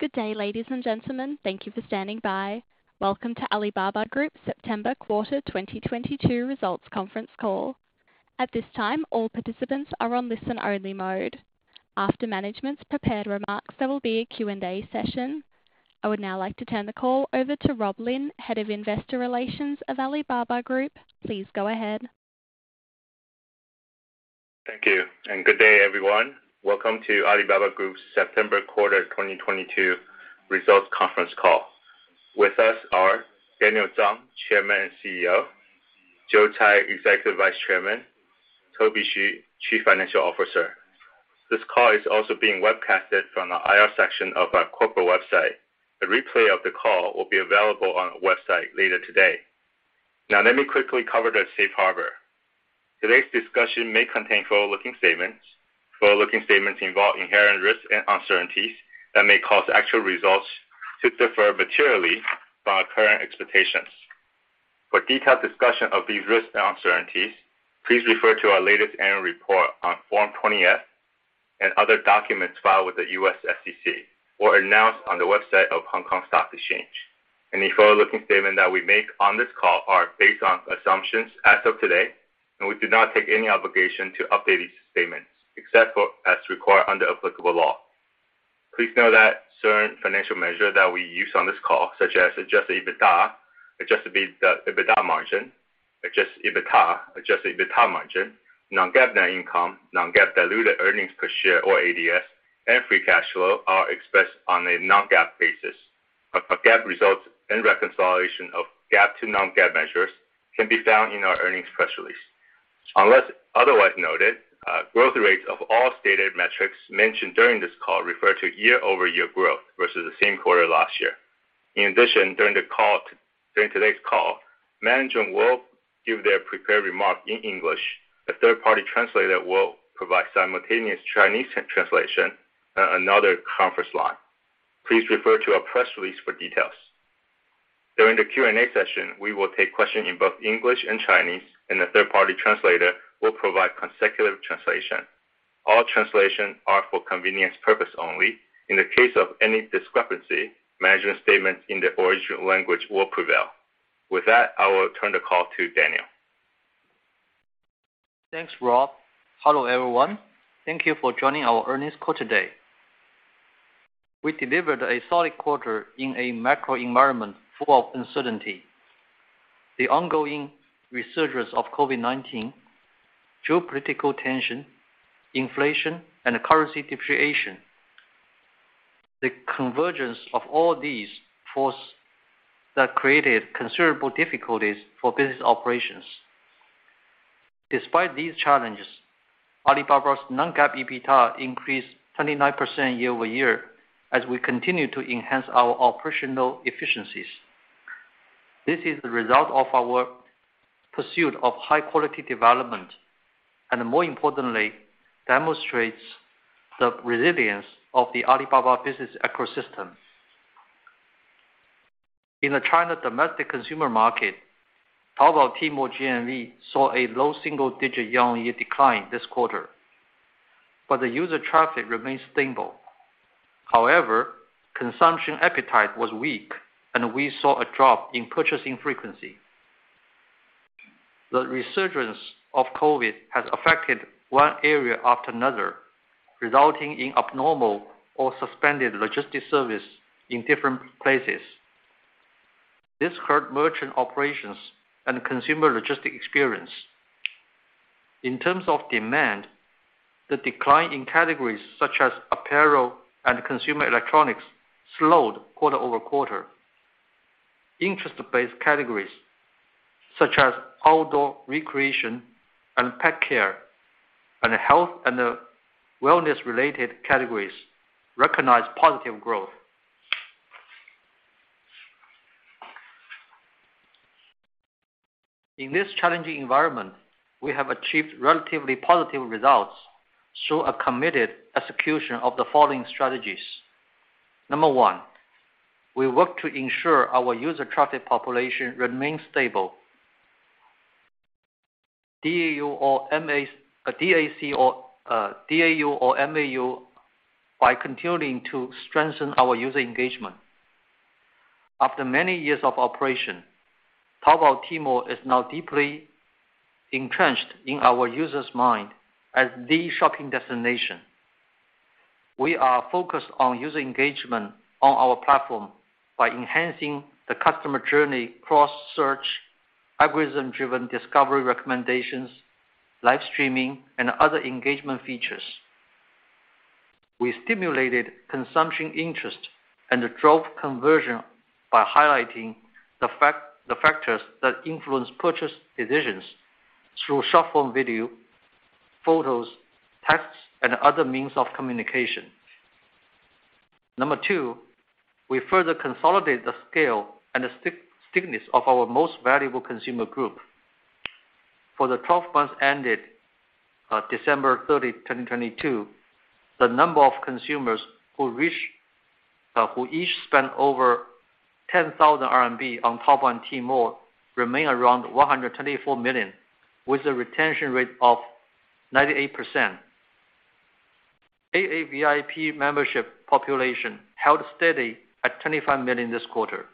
Good day, ladies and gentlemen. Thank you for standing by. Welcome to Alibaba Group September quarter 2022 results conference call. At this time, all participants are on listen-only mode. After management's prepared remarks, there will be a Q&A session. I would now like to turn the call over to Rob Lin, Head of Investor Relations of Alibaba Group. Please go ahead. Thank you, and good day, everyone. Welcome to Alibaba Group's September quarter 2022 results conference call. With us are Daniel Zhang, Chairman and CEO, Joe Tsai, Executive Vice Chairman, Toby Xu, Chief Financial Officer. This call is also being webcasted from the I.R. section of our corporate website. A replay of the call will be available on our website later today. Now, let me quickly cover the safe harbor. Today's discussion may contain forward-looking statements. Forward-looking statements involve inherent risks and uncertainties that may cause actual results to differ materially from our current expectations. For detailed discussion of these risks and uncertainties, please refer to our latest annual report on Form 20-F and other documents filed with the U.S. SEC or announced on the website of Hong Kong Stock Exchange. Any forward-looking statement that we make on this call are based on assumptions as of today, and we do not take any obligation to update these statements except for as required under applicable law. Please note that certain financial measures that we use on this call, such as adjusted EBITDA, adjusted EBITDA margin, non-GAAP net income, non-GAAP diluted earnings per share or ADS, and free cash flow, are expressed on a non-GAAP basis. Our GAAP results and reconciliation of GAAP to non-GAAP measures can be found in our earnings press release. Unless otherwise noted, growth rates of all stated metrics mentioned during this call refer to year-over-year growth versus the same quarter last year. In addition, during today's call, management will give their prepared remarks in English. A third-party translator will provide simultaneous Chinese translation on another conference line. Please refer to our press release for details. During the Q&A session, we will take questions in both English and Chinese, and the third-party translator will provide consecutive translation. All translations are for convenience purpose only. In the case of any discrepancy, management statements in the original language will prevail. With that, I will turn the call to Daniel. Thanks, Rob. Hello, everyone. Thank you for joining our earnings call today. We delivered a solid quarter in a macro environment full of uncertainty, the ongoing resurgence of COVID-19, geopolitical tension, inflation, and currency depreciation. The convergence of all these forces that created considerable difficulties for business operations. Despite these challenges, Alibaba's non-GAAP EBITDA increased 29% year-over-year as we continue to enhance our operational efficiencies. This is the result of our pursuit of high-quality development, and more importantly, demonstrates the resilience of the Alibaba business ecosystem. In the China domestic consumer market, Taobao Tmall GMV saw a low single-digit year-on-year decline this quarter, but the user traffic remains stable. However, consumption appetite was weak, and we saw a drop in purchasing frequency. The resurgence of COVID has affected one area after another, resulting in abnormal or suspended logistics service in different places. This hurt merchant operations and consumer logistics experience. In terms of demand, the decline in categories such as apparel and consumer electronics slowed quarter-over-quarter. Interest-based categories such as outdoor recreation and pet care and health and wellness-related categories recognized positive growth. In this challenging environment, we have achieved relatively positive results through a committed execution of the following strategies. Number one, we work to ensure our user traffic population remains stable, DAU or MAU, by continuing to strengthen our user engagement. After many years of operation, Taobao Tmall is now deeply entrenched in our users' mind as the shopping destination. We are focused on user engagement on our platform by enhancing the customer journey across search, algorithm-driven discovery recommendations, live streaming, and other engagement features. We stimulated consumption interest and drove conversion by highlighting the factors that influence purchase decisions through short-form video, photos, texts, and other means of communication. Number two, we further consolidate the scale and stickiness of our most valuable consumer group. For the 12 months ended December 30, 2022, the number of consumers who each spent over 10,000 RMB on Taobao and Tmall remain around 124 million with a retention rate of 98%. 88VIP membership population held steady at 25 million this quarter,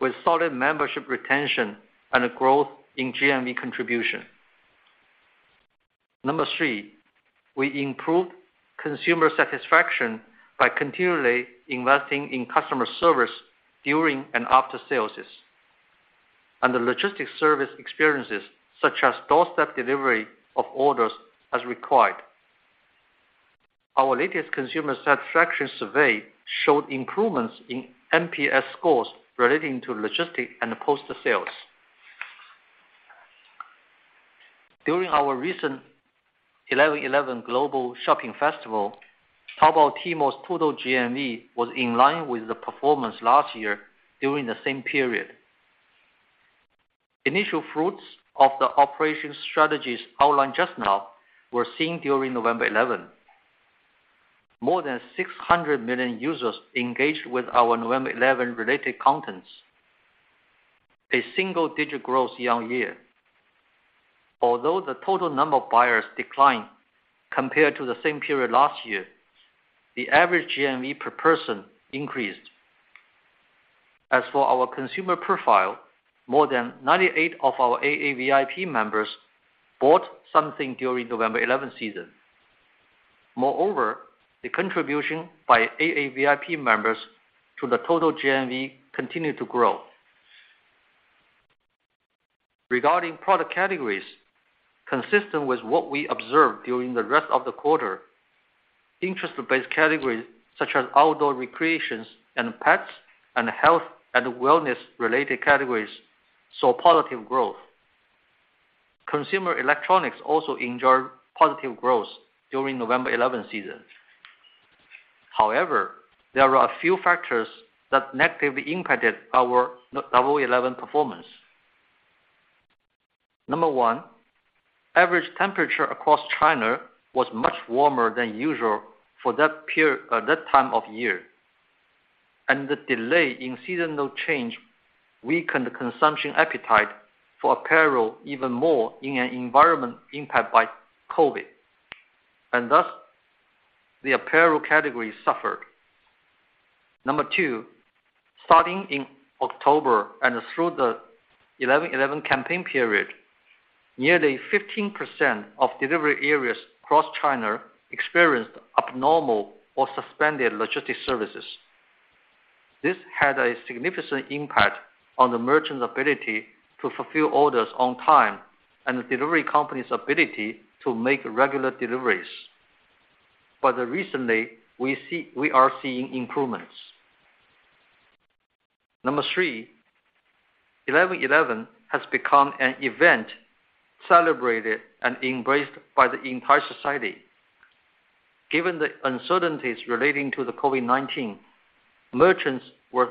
with solid membership retention and a growth in GMV contribution. Number three, we improved consumer satisfaction by continually investing in customer service during and after sales. The logistics service experiences, such as doorstep delivery of orders as required. Our latest consumer satisfaction survey showed improvements in NPS scores relating to logistic and post-sales. During our recent 11.11 Global Shopping Festival, Taobao Tmall's total GMV was in line with the performance last year during the same period. Initial fruits of the operation strategies outlined just now were seen during November 11. More than 600 million users engaged with our November 11-related contents, a single-digit growth year-on-year. Although the total number of buyers declined compared to the same period last year, the average GMV per person increased. As for our consumer profile, more than 98% of our 88VIP members bought something during November 11 season. Moreover, the contribution by 88VIP members to the total GMV continued to grow. Regarding product categories, consistent with what we observed during the rest of the quarter, interest-based categories such as outdoor recreations and pets and health-and-wellness-related categories, saw positive growth. Consumer electronics also enjoyed positive growth during November 11 season. However, there are a few factors that negatively impacted our November 11 performance. Number one, average temperature across China was much warmer than usual for that time of year, and the delay in seasonal change weakened consumption appetite for apparel even more in an environment impact by COVID. Thus, the apparel category suffered. Number two, starting in October and through the 11.11 campaign period, nearly 15% of delivery areas across China experienced abnormal or suspended logistics services. This had a significant impact on the merchants' ability to fulfill orders on time and the delivery company's ability to make regular deliveries. Recently, we are seeing improvements. Number three, 11.11 has become an event celebrated and embraced by the entire society. Given the uncertainties relating to the COVID-19, merchants were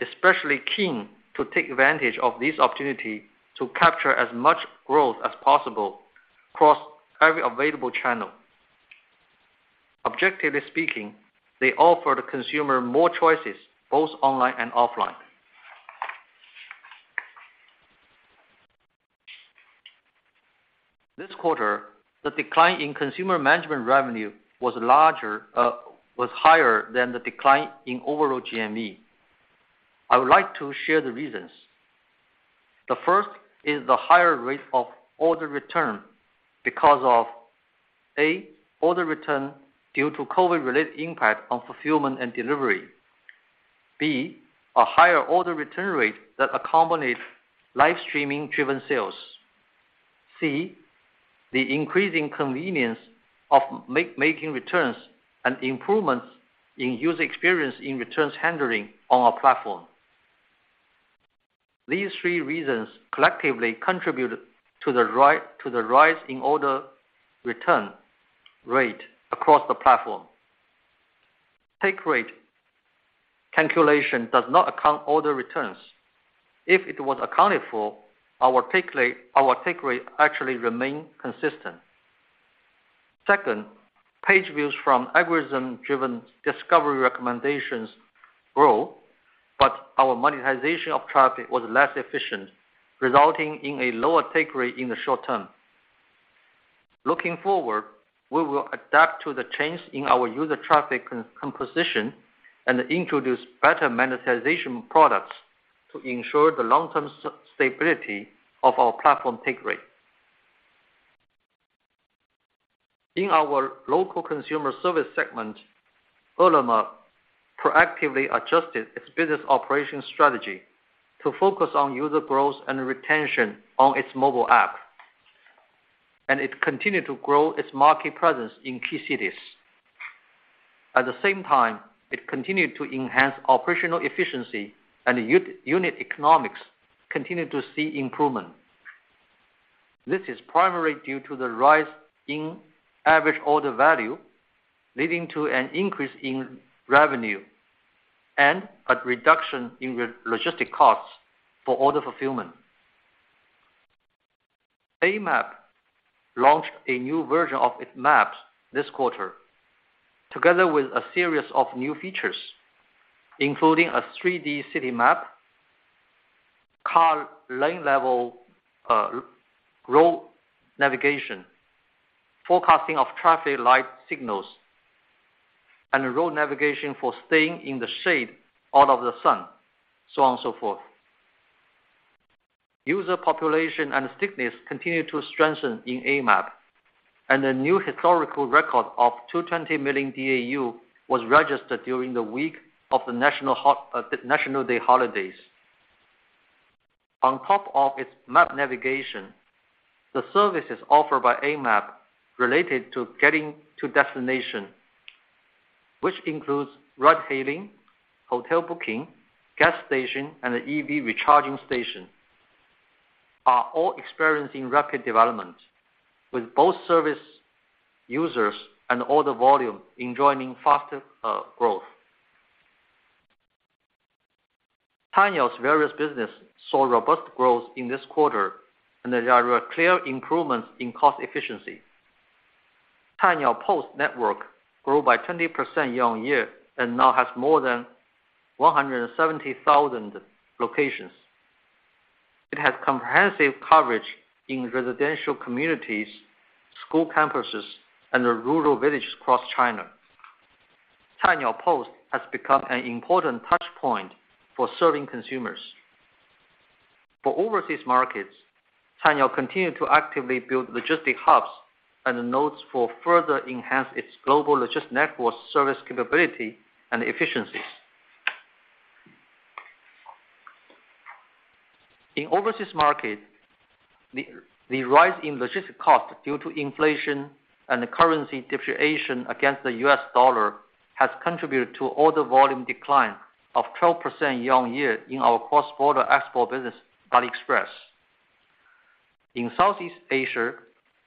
especially keen to take advantage of this opportunity to capture as much growth as possible across every available channel. Objectively speaking, they offer the consumer more choices, both online and offline. This quarter, the decline in Customer Management Revenue was higher than the decline in overall GMV. I would like to share the reasons. The first is the higher rate of order return because of, A, order return due to COVID-related impact on fulfillment and delivery. B, a higher order return rate that accompanies live-streaming-driven sales. C, the increasing convenience of making returns and improvements in user experience in returns handling on our platform. These three reasons collectively contribute to the rise in order return rate across the platform. Take rate calculation does not account order returns. If it was accounted for, our take rate actually remain consistent. Second, page views from algorithm-driven discovery recommendations grow, but our monetization of traffic was less efficient, resulting in a lower take rate in the short term. Looking forward, we will adapt to the change in our user traffic composition and introduce better monetization products to ensure the long-term stability of our platform take rate. In our local consumer service segment, Ele.me proactively adjusted its business operation strategy to focus on user growth and retention on its mobile app. It continued to grow its market presence in key cities. At the same time, it continued to enhance operational efficiency and unit economics continued to see improvement. This is primarily due to the rise in average order value, leading to an increase in revenue and a reduction in logistic costs for order fulfillment. AMap launched a new version of its maps this quarter, together with a series of new features, including a 3D city map, car lane-level road navigation, forecasting of traffic light signals, and road navigation for staying in the shade out of the sun, so on and so forth. User population and stickiness continue to strengthen in AMap, and a new historical record of 220 million DAU was registered during the week of the National Day holidays. On top of its map navigation, the services offered by AMap related to getting to destination, which includes ride hailing, hotel booking, gas station, and the EV recharging station, are all experiencing rapid development, with both service users and order volume enjoying faster growth. Cainiao's various business saw robust growth in this quarter, and there are clear improvements in cost efficiency. Cainiao Post network grew by 20% year-on-year and now has more than 170,000 locations. It has comprehensive coverage in residential communities, school campuses, and the rural villages across China. Cainiao Post has become an important touchpoint for serving consumers. For overseas markets, Cainiao continued to actively build logistics hubs and nodes for further enhance its global logistics network service capability and efficiencies. In overseas market, the rise in logistics cost due to inflation and currency depreciation against the U.S. dollar has contributed to order volume decline of 12% year-on-year in our cross-border export business, AliExpress. In Southeast Asia,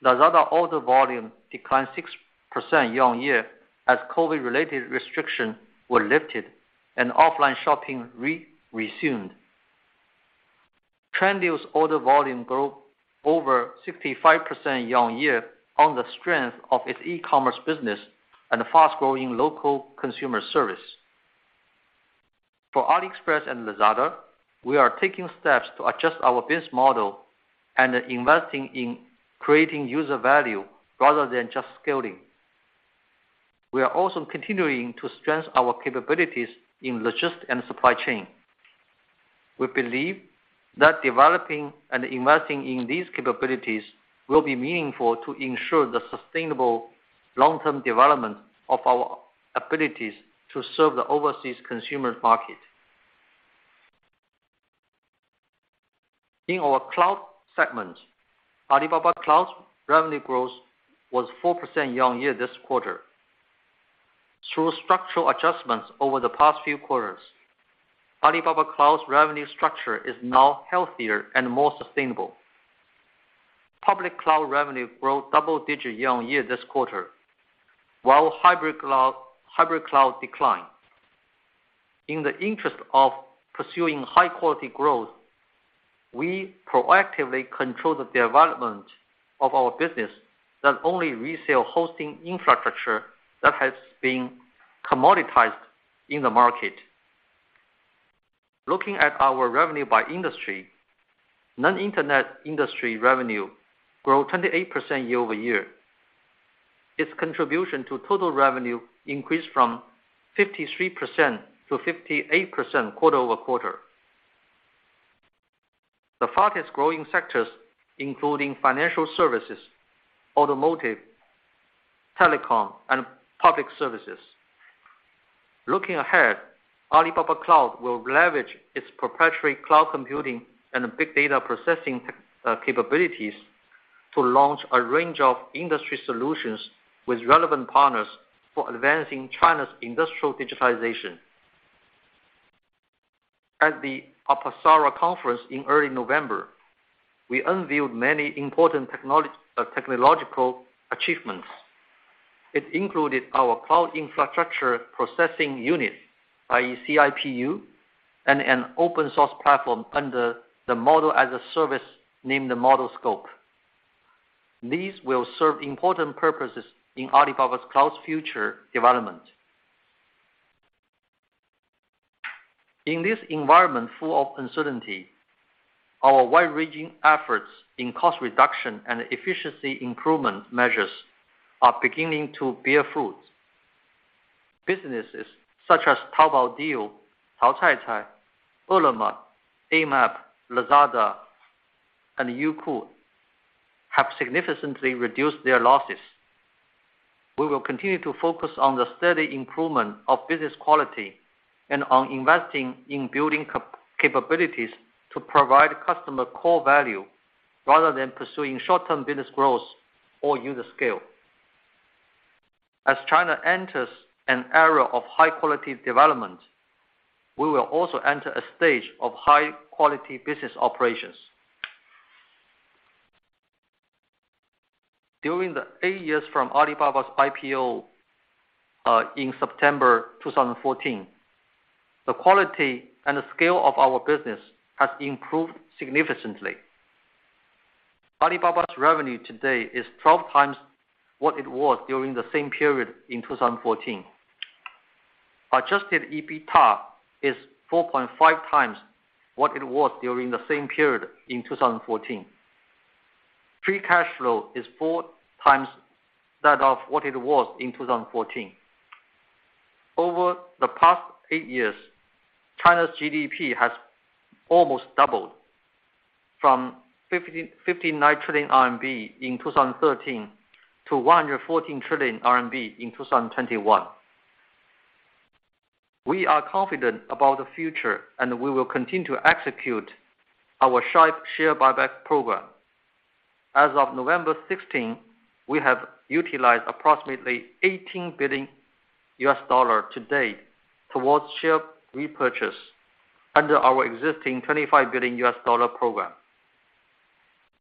Lazada order volume declined 6% year-on-year as COVID-related restriction were lifted and offline shopping resumed. Trendyol's order volume grew over 65% year-on-year on the strength of its e-commerce business and fast-growing local consumer service. For AliExpress and Lazada, we are taking steps to adjust our business model and investing in creating user value rather than just scaling. We are also continuing to strengthen our capabilities in logistics and supply chain. We believe that developing and investing in these capabilities will be meaningful to ensure the sustainable long-term development of our abilities to serve the overseas consumer market. In our cloud segment, Alibaba Cloud's revenue growth was 4% year-on-year this quarter. Through structural adjustments over the past few quarters, Alibaba Cloud's revenue structure is now healthier and more sustainable. Public cloud revenue grew double-digit year-on-year this quarter, while hybrid cloud declined. In the interest of pursuing high-quality growth, we proactively control the development of our business that only resell hosting infrastructure that has been commoditized in the market. Looking at our revenue by industry, non-internet industry revenue grew 28% year-over-year. Its contribution to total revenue increased from 53% to 58% quarter-over-quarter. The fastest-growing sectors, including financial services, automotive, telecom, and public services. Looking ahead, Alibaba Cloud will leverage its proprietary cloud computing and big data processing capabilities to launch a range of industry solutions with relevant partners for advancing China's industrial digitization. At the Apsara Conference in early November, we unveiled many important technological achievements. It included our cloud infrastructure processing unit, i.e., CIPU, and an open-source platform under the Model-as-a-Service named the ModelScope. These will serve important purposes in Alibaba's Cloud's future development. In this environment full of uncertainty, our wide-ranging efforts in cost reduction and efficiency improvement measures are beginning to bear fruit. Businesses such as Taobao Deals, Taocaicai, Ele.me, AMap, Lazada, and Youku have significantly reduced their losses. We will continue to focus on the steady improvement of business quality and on investing in building capabilities to provide customer core value rather than pursuing short-term business growth or user scale. As China enters an era of high-quality development, we will also enter a stage of high-quality business operations. During the eight years from Alibaba's IPO in September 2014, the quality and the scale of our business has improved significantly. Alibaba's revenue today is 12x what it was during the same period in 2014. Adjusted EBITDA is 4.5x what it was during the same period in 2014. Free cash flow is 4x that of what it was in 2014. Over the past eight years, China's GDP has almost doubled from 59 trillion RMB in 2013 to 114 trillion RMB in 2021. We are confident about the future, and we will continue to execute our sharp share buyback program. As of November 16th, we have utilized approximately $18 billion to date towards share repurchase under our existing $25 billion program,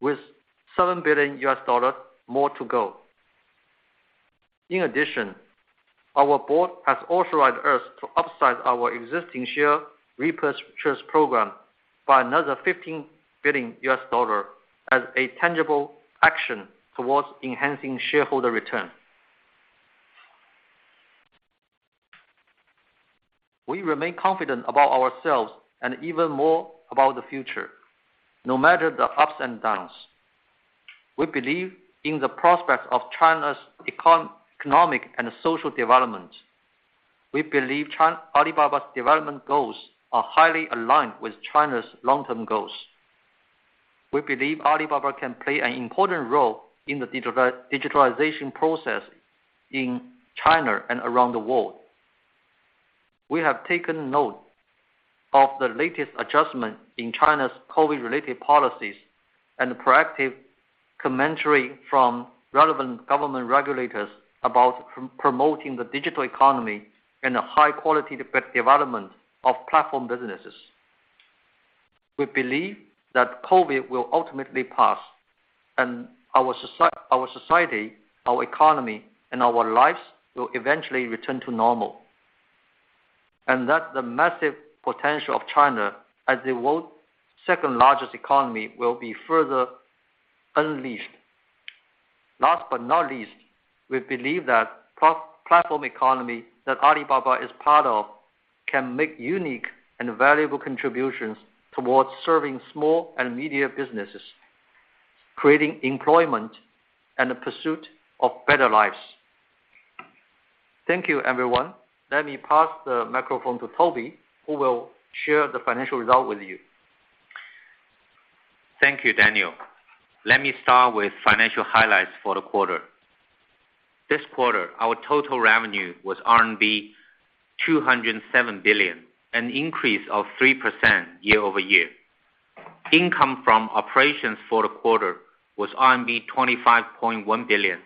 with $7 billion more to go. In addition, our board has authorized us to upsize our existing share repurchase program by another $15 billion as a tangible action towards enhancing shareholder return. We remain confident about ourselves and even more about the future. No matter the ups and downs, we believe in the prospects of China's economic and social development. We believe Alibaba's development goals are highly aligned with China's long-term goals. We believe Alibaba can play an important role in the digitalization process in China and around the world. We have taken note of the latest adjustment in China's COVID-related policies and proactive commentary from relevant government regulators about promoting the digital economy and the high-quality development of platform businesses. We believe that COVID will ultimately pass and our society, our economy, and our lives will eventually return to normal. That the massive potential of China as the world's second-largest economy will be further unleashed. Last but not least, we believe that platform economy that Alibaba is part of can make unique and valuable contributions towards serving small and medium businesses, creating employment and the pursuit of better lives. Thank you, everyone. Let me pass the microphone to Toby, who will share the financial result with you. Thank you, Daniel. Let me start with financial highlights for the quarter. This quarter, our total revenue was RMB 207 billion, an increase of 3% year-over-year. Income from operations for the quarter was RMB 25.1 billion,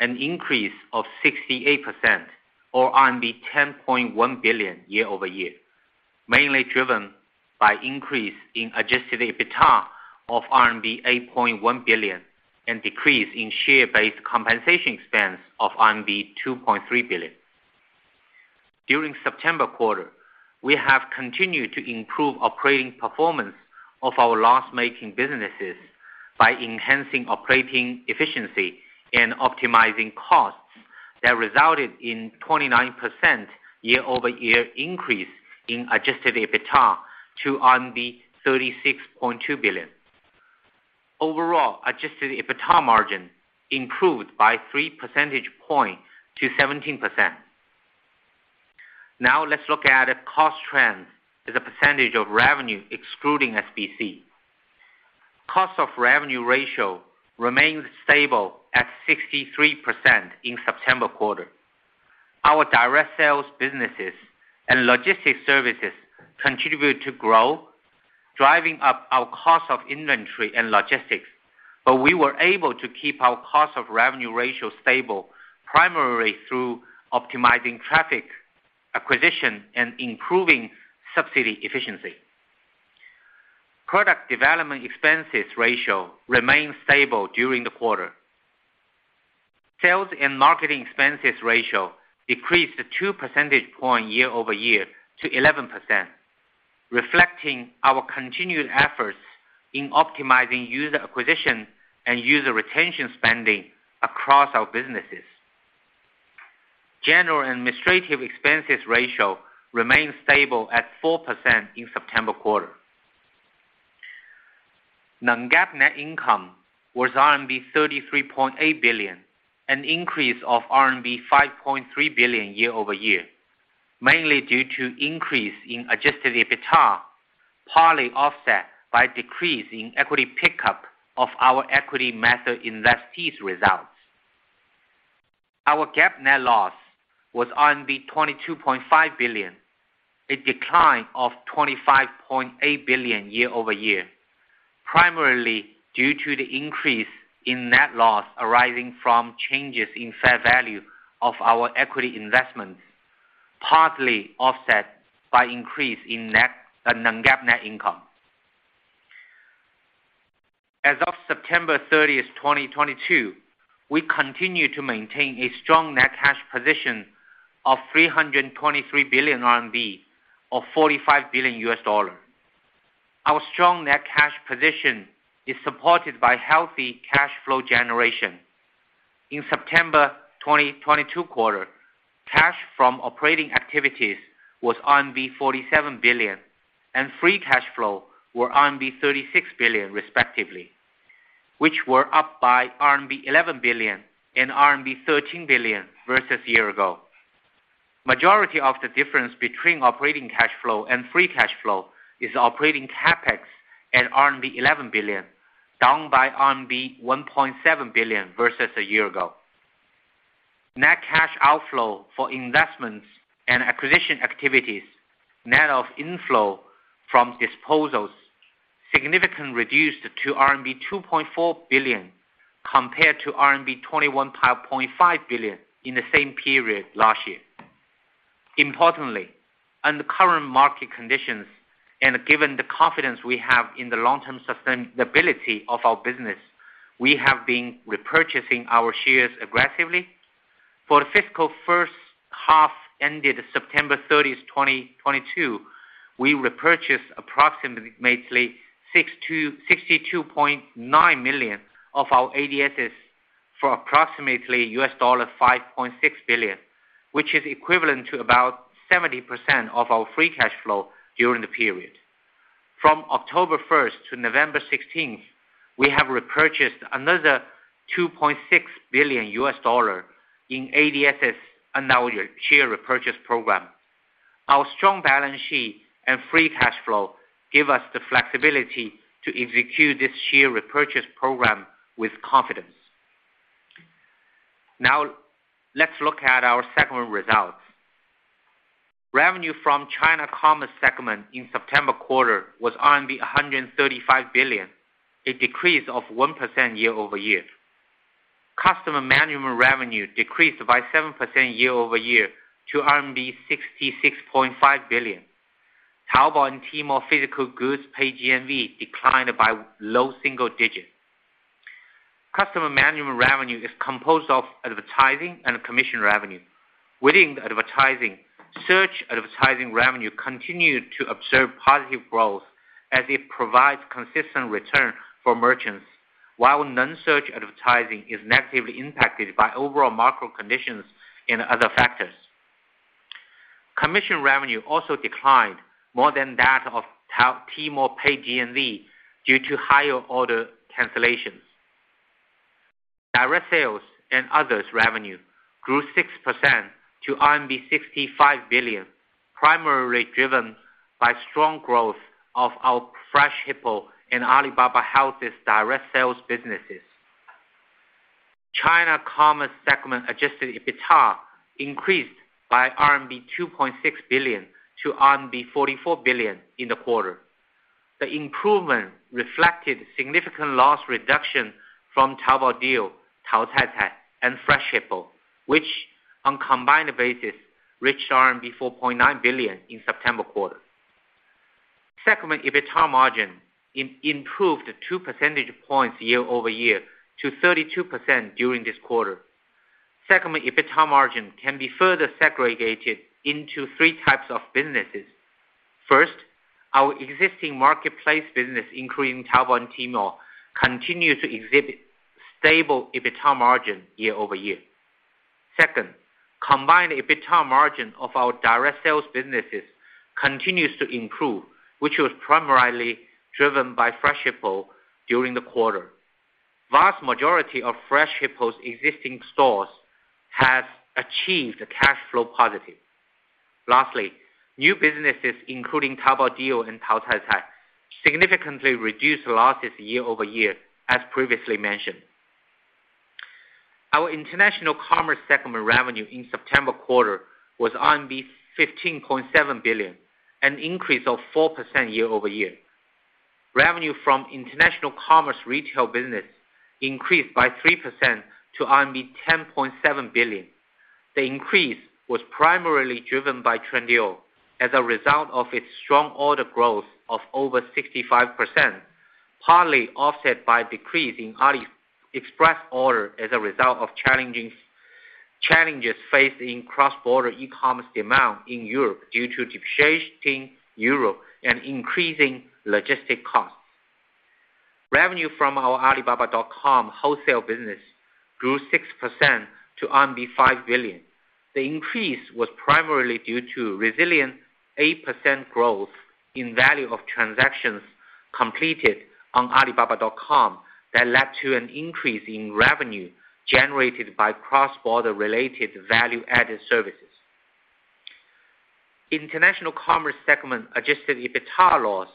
an increase of 68% or RMB 10.1 billion year-over-year, mainly driven by increase in adjusted EBITDA of RMB 8.1 billion and decrease in share-based compensation expense of RMB 2.3 billion. During September quarter, we have continued to improve operating performance of our loss-making businesses by enhancing operating efficiency and optimizing costs that resulted in 29% year-over-year increase in adjusted EBITDA to 36.2 billion. Overall, adjusted EBITDA margin improved by 3 percentage points to 17%. Now let's look at cost trends as a percentage of revenue excluding SBC. Cost of revenue ratio remains stable at 63% in September quarter. Our direct sales businesses and logistics services continued to grow, driving up our cost of inventory and logistics. We were able to keep our cost of revenue ratio stable primarily through optimizing traffic acquisition and improving subsidy efficiency. Product development expenses ratio remained stable during the quarter. Sales and marketing expenses ratio decreased two percentage points year-over-year to 11%, reflecting our continued efforts in optimizing user acquisition and user retention spending across our businesses. General and administrative expenses ratio remained stable at 4% in September quarter. Non-GAAP net income was RMB 33.8 billion, an increase of RMB 5.3 billion year-over-year, mainly due to increase in adjusted EBITDA, partly offset by decrease in equity pickup of our equity method investees results. Our GAAP net loss was 22.5 billion, a decline of 25.8 billion year-over-year, primarily due to the increase in net loss arising from changes in fair value of our equity investments, partly offset by increase in non-GAAP net income. As of September 30, 2022, we continue to maintain a strong net cash position of 323 billion RMB, or $45 billion. Our strong net cash position is supported by healthy cash flow generation. In September 2022 quarter, cash from operating activities was RMB 47 billion, and free cash flow were RMB 36 billion respectively, which were up by RMB 11 billion and RMB 13 billion versus year ago. Majority of the difference between operating cash flow and free cash flow is operating CapEx at RMB 11 billion, down by RMB 1.7 billion versus a year ago. Net cash outflow for investments and acquisition activities, net of inflow from disposals, significantly reduced to RMB 2.4 billion compared to RMB 21.5 billion in the same period last year. Importantly, on the current market conditions and given the confidence we have in the long-term sustainability of our business, we have been repurchasing our shares aggressively. For the fiscal first half ended September 30th, 2022, we repurchased approximately 62.9 million of our ADSs for approximately $5.6 billion, which is equivalent to about 70% of our free cash flow during the period. From October 1st to November 16th, we have repurchased another $2.6 billion in ADSs on our share repurchase program. Our strong balance sheet and free cash flow give us the flexibility to execute this share repurchase program with confidence. Now let's look at our segment results. Revenue from China Commerce segment in September quarter was RMB 135 billion, a decrease of 1% year-over-year. Customer Management revenue decreased by 7% year-over-year to RMB 66.5 billion. Taobao and Tmall physical goods paid GMV declined by low single digits. Customer Management revenue is composed of advertising and commission revenue. Within the advertising, search advertising revenue continued to observe positive growth as it provides consistent return for merchants. While non-search advertising is negatively impacted by overall macro conditions and other factors. Commission revenue also declined more than that of Tmall paid GMV due to higher order cancellations. Direct sales and others revenue grew 6% to RMB 65 billion, primarily driven by strong growth of our Freshippo and Alibaba Health's direct sales businesses. China commerce segment adjusted EBITDA increased by RMB 2.6 billion to RMB 44 billion in the quarter. The improvement reflected significant loss reduction from Taobao Deals, Taocaicai, and Freshippo, which on combined basis reached RMB 4.9 billion in September quarter. Segment EBITDA margin improved two percentage points year-over-year to 32% during this quarter. Segment EBITDA margin can be further segregated into three types of businesses. First, our existing marketplace business, including Taobao and Tmall, continue to exhibit stable EBITDA margin year-over-year. Second, combined EBITDA margin of our direct sales businesses continues to improve, which was primarily driven by Freshippo during the quarter. Vast majority of Freshippo's existing stores has achieved cash flow positive. Lastly, new businesses including Taobao Deals and Taocaicai significantly reduced losses year-over-year as previously mentioned. Our international commerce segment revenue in September quarter was RMB 15.7 billion, an increase of 4% year-over-year. Revenue from international commerce retail business increased by 3% to RMB 10.7 billion. The increase was primarily driven by Trendyol as a result of its strong order growth of over 65%, partly offset by decrease in AliExpress order as a result of challenges faced in cross-border e-commerce demand in Europe due to depreciating euro and increasing logistic costs. Revenue from our Alibaba.com wholesale business grew 6% to RMB 5 billion. The increase was primarily due to resilient 8% growth in value of transactions completed on Alibaba.com that led to an increase in revenue generated by cross-border-related value-added services. International commerce segment adjusted EBITDA loss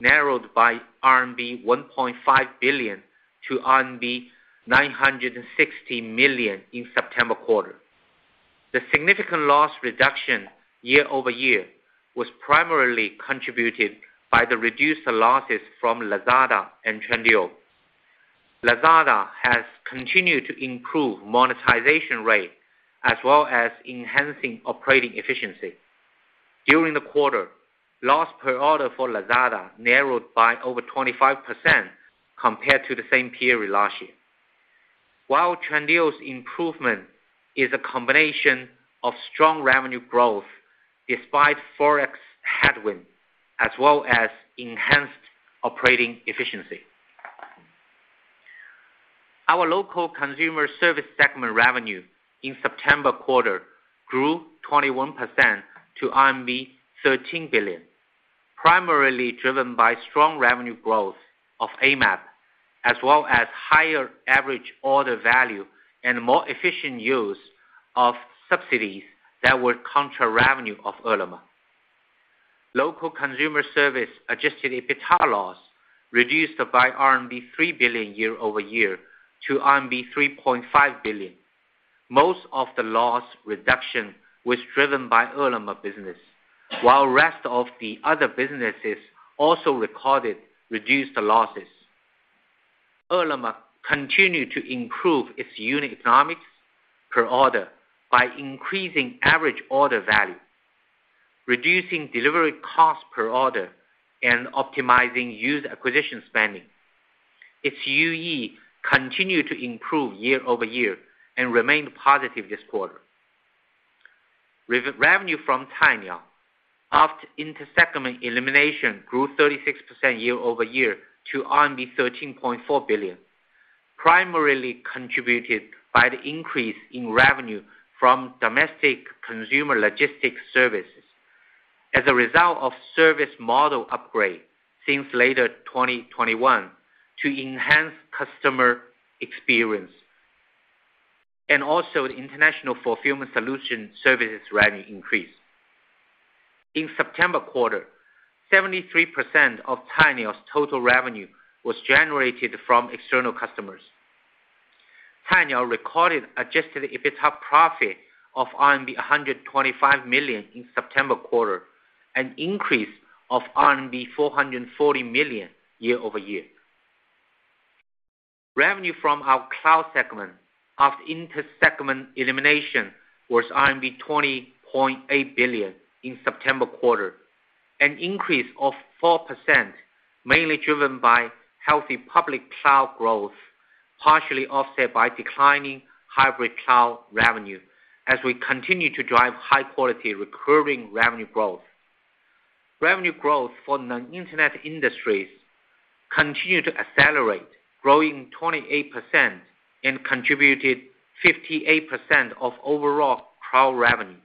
narrowed by RMB 1.5 billion to RMB 960 million in September quarter. The significant loss reduction year-over-year was primarily contributed by the reduced losses from Lazada and Trendyol. Lazada has continued to improve monetization rate as well as enhancing operating efficiency. During the quarter, loss per order for Lazada narrowed by over 25% compared to the same period last year. While Trendyol's improvement is a combination of strong revenue growth despite forex headwind as well as enhanced operating efficiency. Our local consumer service segment revenue in September quarter grew twenty-one percent to RMB 13 billion, primarily driven by strong revenue growth of AMap, as well as higher average order value and more efficient use of subsidies that were contra revenue of Ele.me. Local consumer service adjusted EBITDA loss reduced by RMB 3 billion year-over-year to RMB 3.5 Billion. Most of the loss reduction was driven by Ele.me business, while rest of the other businesses also recorded reduced losses. Ele.me continued to improve its unit economics per order by increasing average order value, reducing delivery cost per order, and optimizing user acquisition spending. Its UE continued to improve year-over-year and remained positive this quarter. Revenue from Cainiao, after inter-segment elimination, grew 36% year-over-year to RMB 13.4 billion, primarily contributed by the increase in revenue from domestic consumer logistics services as a result of service model upgrade since later 2021 to enhance customer experience. Also the international fulfillment solution services revenue increased. In September quarter, 73% of Cainiao's total revenue was generated from external customers. Cainiao recorded adjusted EBITDA profit of RMB 125 million in September quarter, an increase of RMB 440 million year-over-year. Revenue from our cloud segment after inter-segment elimination was RMB 20.8 billion in September quarter, an increase of 4%, mainly driven by healthy public cloud growth, partially offset by declining hybrid cloud revenue as we continue to drive high quality recurring revenue growth. Revenue growth for non-internet industries continued to accelerate, growing 28% and contributed 58% of overall cloud revenue.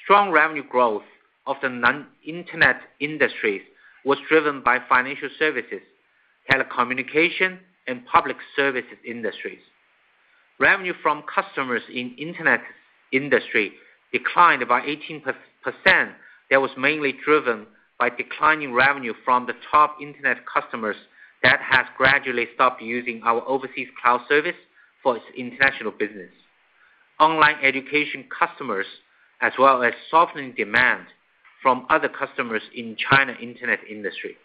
Strong revenue growth of the non-internet industries was driven by financial services, telecommunication, and public services industries. Revenue from customers in internet industry declined by 18%. That was mainly driven by declining revenue from the top internet customers that has gradually stopped using our overseas cloud service for its international business. Online education customers, as well as softening demand from other customers in China internet industry.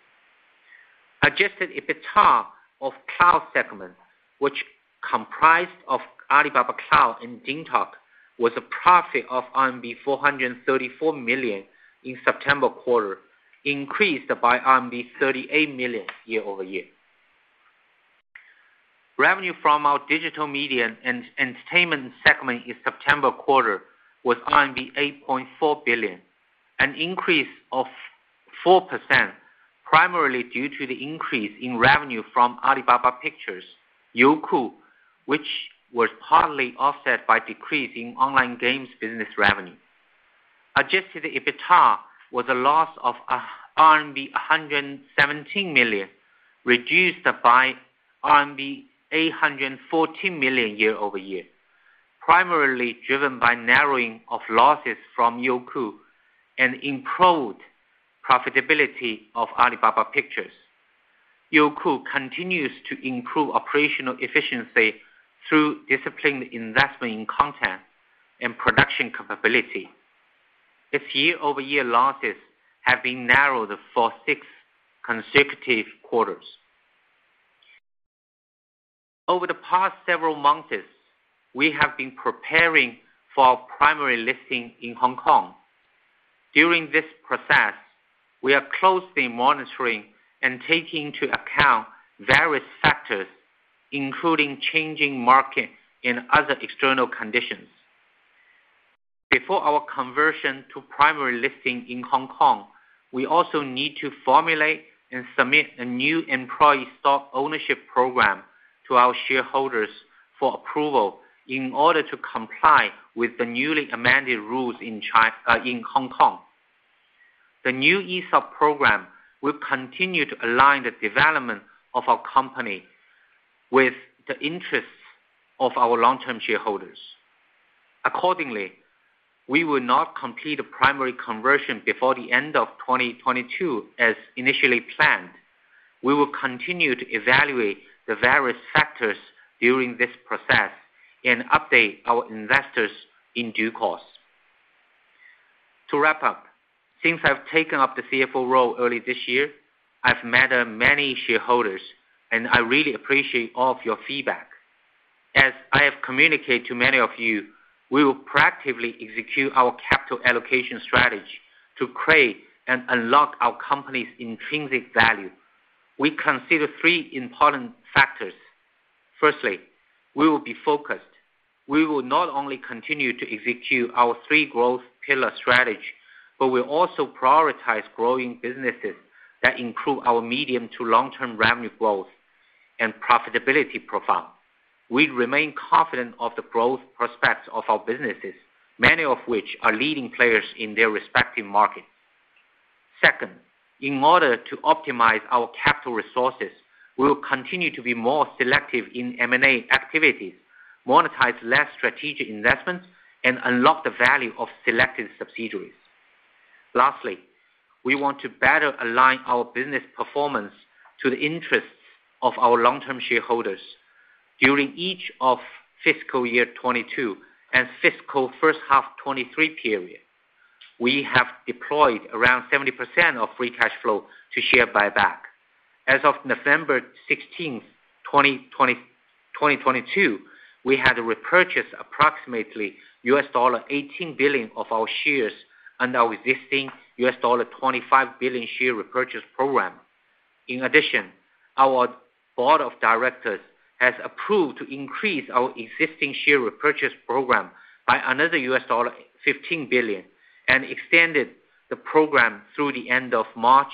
Adjusted EBITDA of cloud segment, which comprised of Alibaba Cloud and DingTalk, was a profit of RMB 434 million in September quarter, increased by RMB 38 million year-over-year. Revenue from our digital media and entertainment segment in September quarter was RMB 8.4 billion, an increase of 4%, primarily due to the increase in revenue from Alibaba Pictures, Youku, which was partly offset by decrease in online games business revenue. Adjusted EBITDA was a loss of RMB 117 million, reduced by RMB 814 million year-over-year, primarily driven by narrowing of losses from Youku and improved profitability of Alibaba Pictures. Youku continues to improve operational efficiency through disciplined investment in content and production capability. Its year-over-year losses have been narrowed for six consecutive quarters. Over the past several months, we have been preparing for our primary listing in Hong Kong. During this process, we are closely monitoring and taking into account various factors, including changing markets and other external conditions. Before our conversion to primary listing in Hong Kong, we also need to formulate and submit a new employee stock ownership program to our shareholders for approval in order to comply with the newly amended rules in Hong Kong. The new ESOP program will continue to align the development of our company with the interests of our long-term shareholders. Accordingly, we will not complete a primary conversion before the end of 2022 as initially planned. We will continue to evaluate the various factors during this process and update our investors in due course. To wrap up, since I've taken up the CFO role early this year, I've met many shareholders, and I really appreciate all of your feedback. As I have communicated to many of you, we will proactively execute our capital allocations strategy to create and unlock our company's intrinsic value. We consider three important factors. Firstly, we will be focused. We will not only continue to execute our three growth pillar strategy, but will also prioritize growing businesses that improve our medium to long term revenue growth and profitability profile. We remain confident of the growth prospects of our businesses, many of which are leading players in their respective markets. Second, in order to optimize our capital resources, we will continue to be more selective in M&A activities, monetize less strategic investments, and unlock the value of selected subsidiaries. Lastly, we want to better align our business performance to the interests of our long-term shareholders. During each of fiscal year 2022 and fiscal first half 2023 period, we have deployed around 70% of free cash flow to share buyback. As of November 16th, 2022, we had repurchased approximately $18 billion of our shares under our existing $25 billion share repurchase program. In addition, our board of directors has approved to increase our existing share repurchase program by another $15 billion and extended the program through the end of March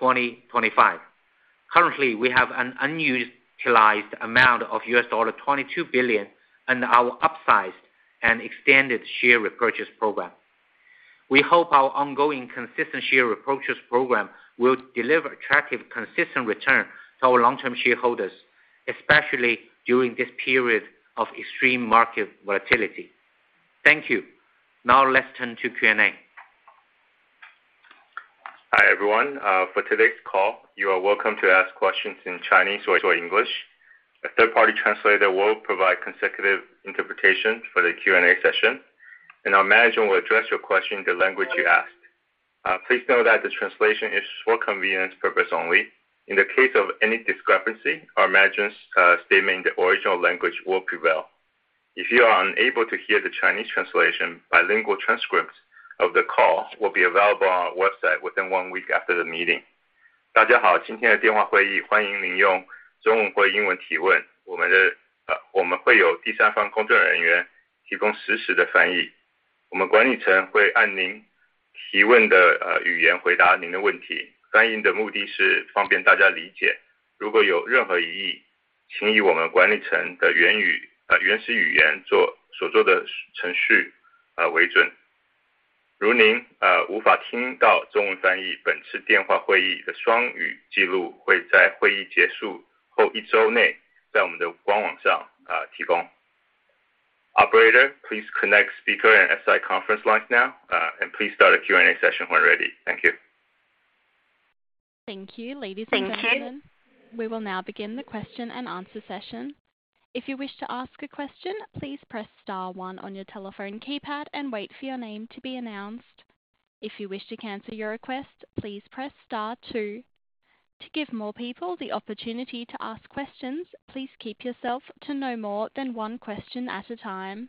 2025. Currently, we have an unutilized amount of $22 billion under our upsized and extended share repurchase program. We hope our ongoing consistent share repurchase program will deliver attractive, consistent return to our long-term shareholders, especially during this period of extreme market volatility. Thank you. Now let's turn to Q&A. Hi, everyone. For today's call, you are welcome to ask questions in Chinese or English. A third-party translator will provide consecutive interpretation for the Q&A session, and our Manager will address your question the language you ask. Please note that the translation is for convenience purpose only. In the case of any discrepancy, our Manager's statement in the original language will prevail. If you are unable to hear the Chinese translation, bilingual transcript of the call will be available on our website within one week after the meeting. Operator, please connect speaker and S.I. conference lines now. Please start a Q&A session when ready. Thank you. Thank you. Ladies and gentlemen. Thank you. We will now begin the question and answer session. If you wish to ask a question, please press star one on your telephone keypad and wait for your name to be announced. If you wish to cancel your request, please press star two. To give more people the opportunity to ask questions, please keep yourself to no more than one question at a time.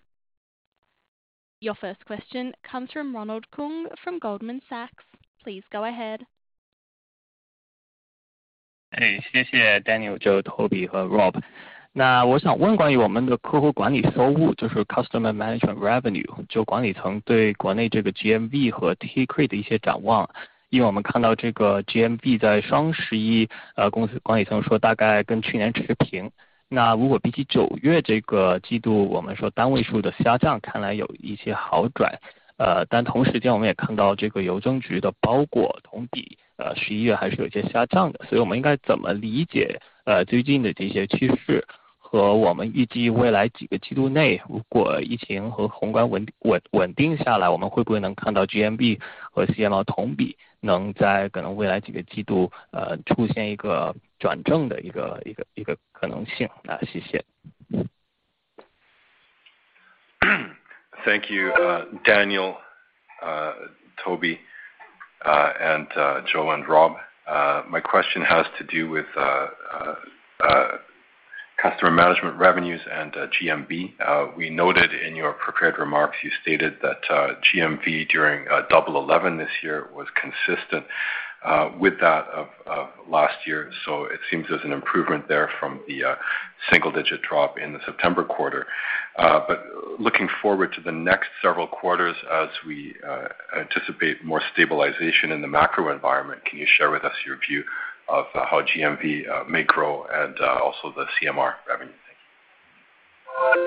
Your first question comes from Ronald Keung from Goldman Sachs. Please go ahead. Thank you, Daniel, Toby, Joe and Rob. My question has to do with customer management revenues and GMV. We noted in your prepared remarks you stated that GMV during Double Eleven this year was consistent with that of last year. It seems there's an improvement there from the single-digit drop in the September quarter. Looking forward to the next several quarters as we anticipate more stabilization in the macro environment, can you share with us your view of how GMV may grow and also the CMR revenue? Thank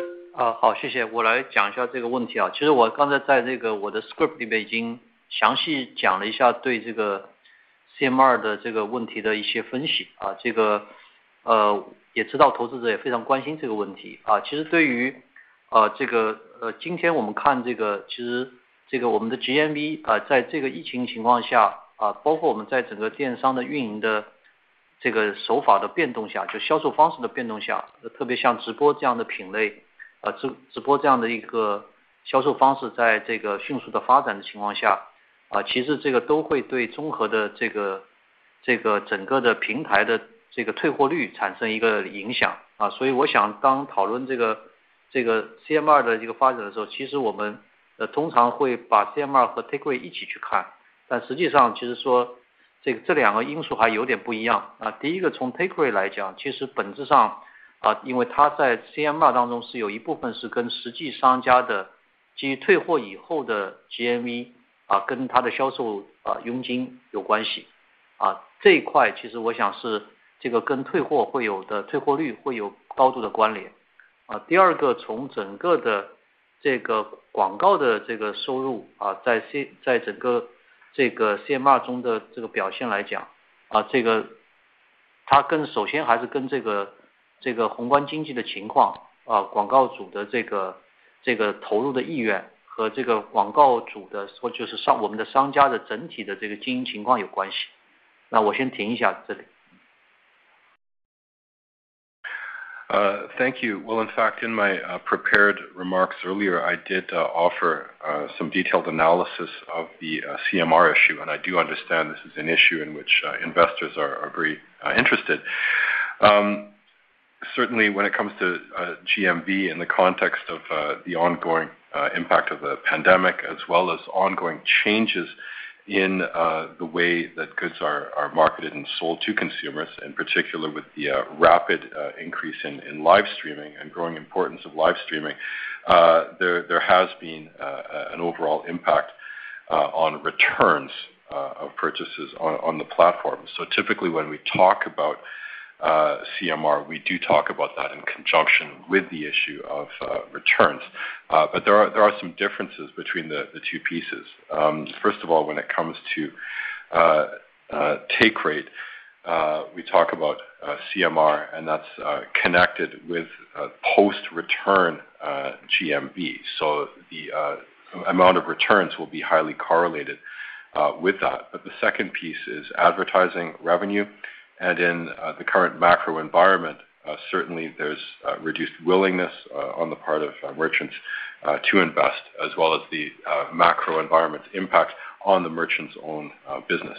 you. 好，谢谢。我来讲一下这个问题。其实我刚才在我的script里边已经详细讲了一下对这个CMR的问题的一些分析，也知道投资者也非常关心这个问题。其实对于今天我们看这个，我们的GMV，在这个疫情情况下，包括我们在整个电商的运营的手法的变动下，就销售方式的变动下，特别像直播这样的品类，直播这样的一个销售方式在迅速的发展的情况下，其实这个都会对综合的这个... Thank you. Well, in fact, in my prepared remarks earlier, I did offer some detailed analysis of the CMR issue, and I do understand this is an issue in which investors are very interested. Certainly when it comes to GMV in the context of the ongoing impact of the pandemic as well as ongoing changes in the way that goods are marketed and sold to consumers, in particular with the rapid increase in live streaming and growing importance of live streaming. There has been an overall impact on returns of purchases on the platform. Typically, when we talk about CMR, we do talk about that in conjunction with the issue of returns. There are some differences between the two pieces. First of all, when it comes to take rate, we talk about CMR, and that's connected with post-return GMV. The amount of returns will be highly correlated with that. The second piece is advertising revenue. In the current macro environment, certainly there's reduced willingness on the part of merchants to invest as well as the macro environment impact on the merchants' own business.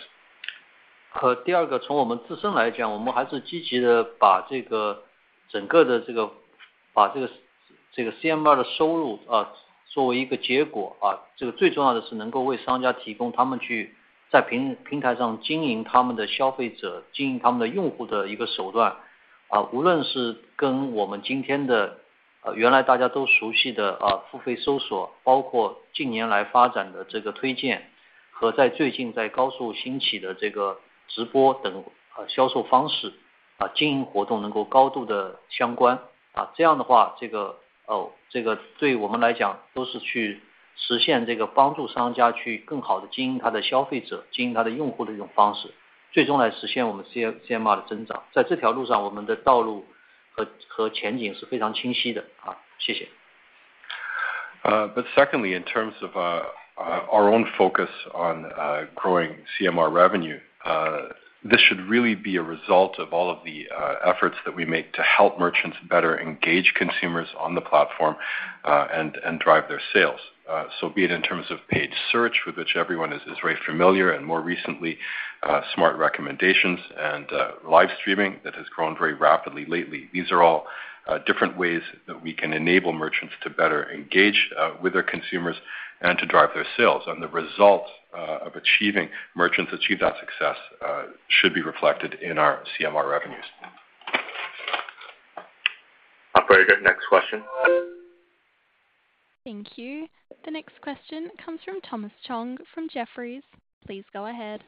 Secondly, in terms of our own focus on growing CMR revenue, this should really be a result of all of the efforts that we make to help merchants better engage consumers on the platform and drive their sales. Be it in terms of paid search with which everyone is very familiar and more recently, smart recommendations and live streaming that has grown very rapidly lately. These are all different ways that we can enable merchants to better engage with their consumers and to drive their sales. The results of achieving that success should be reflected in our CMR revenues. Operator, next question. Thank you. The next question comes from Thomas Chong from Jefferies. Please go ahead.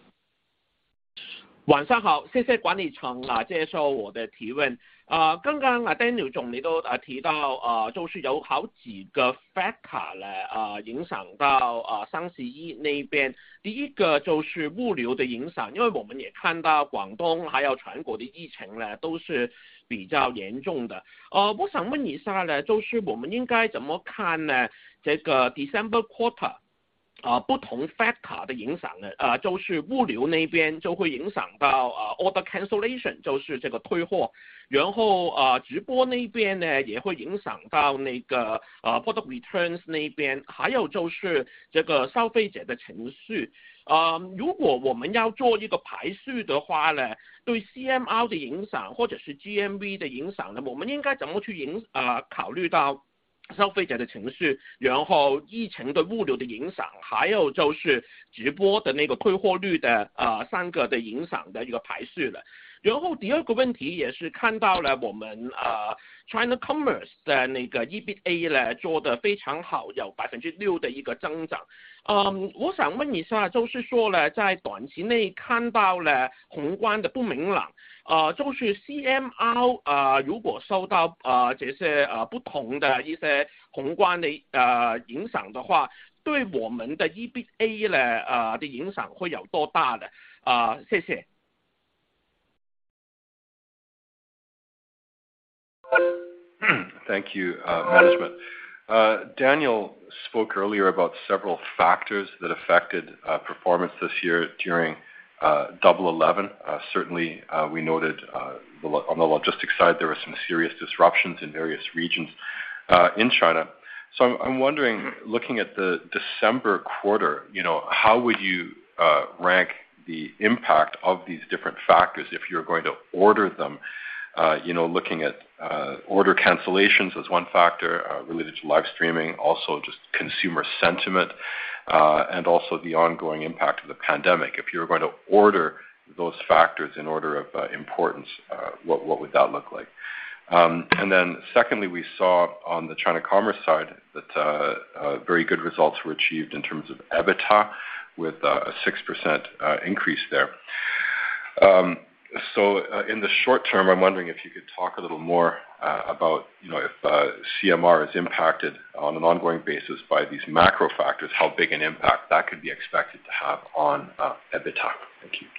quarter不同factor的影响，就是物流那边就会影响到order cancellation，就是这个退货，然后直播那边也会影响到那个product Commerce的那个EBITDA做得非常好，有6%的一个增长。我想问一下，就是说在短期内看到了宏观的不明朗，就是CMR，如果受到这些不同的一些宏观的影响的话，对我们的EBITDA的影响会有多大？谢谢。Thank you, management. Daniel spoke earlier about several factors that affected performance this year during Double Eleven. Certainly, we noted on the logistics side, there were some serious disruptions in various regions in China. I'm wondering, looking at the December quarter, you know, how would you rank the impact of these different factors if you're going to order them? You know, looking at order cancellations as one factor related to live streaming, also just consumer sentiment, and also the ongoing impact of the pandemic. If you're going to order those factors in order of importance, what would that look like? Secondly, we saw on the China commerce side that very good results were achieved in terms of EBITDA with a 6% increase there. In the short term, I'm wondering if you could talk a little more about, you know, if CMR is impacted on an ongoing basis by these macro factors, how big an impact that could be expected to have on EBITDA. Thank you.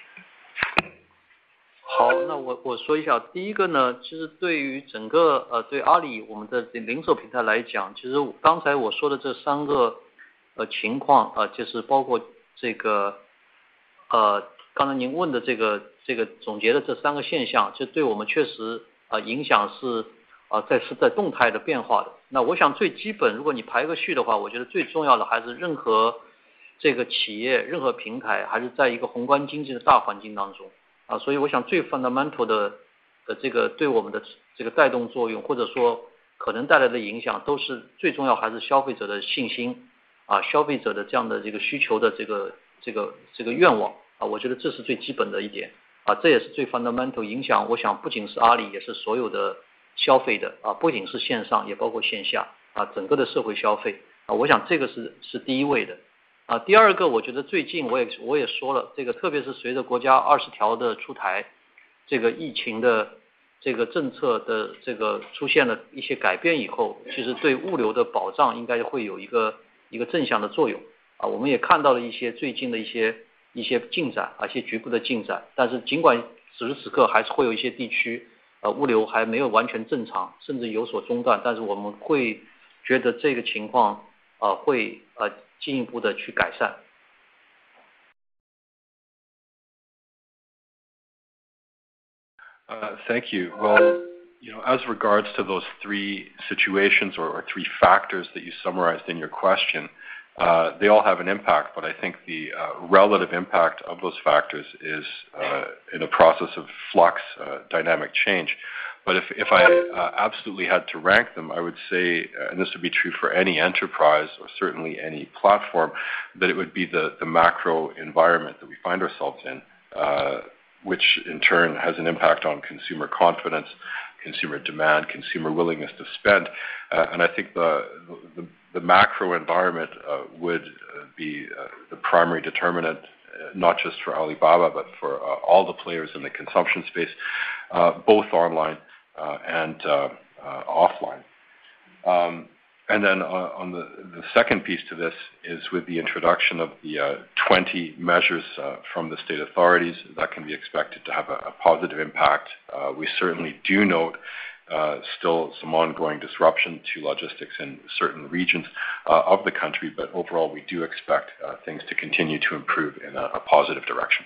Thank you. Well, you know, as regards to those three situations or three factors that you summarized in your question, they all have an impact, but I think the relative impact of those factors is in a process of flux, dynamic change. If I absolutely had to rank them, I would say, and this would be true for any enterprise or certainly any platform, that it would be the macro environment that we find ourselves in, which in turn has an impact on consumer confidence, consumer demand, consumer willingness to spend. I think the macro environment would be the primary determinant, not just for Alibaba, but for all the players in the consumption space, both online and offline. And then, on the second piece to this is with the introduction of the, 20 measures, from the state authorities, that can be expected to have a positive impact. We certainly do note, still some ongoing disruption to logistics in certain regions of the country, but overall, we do expect things to continue to improve in a positive direction.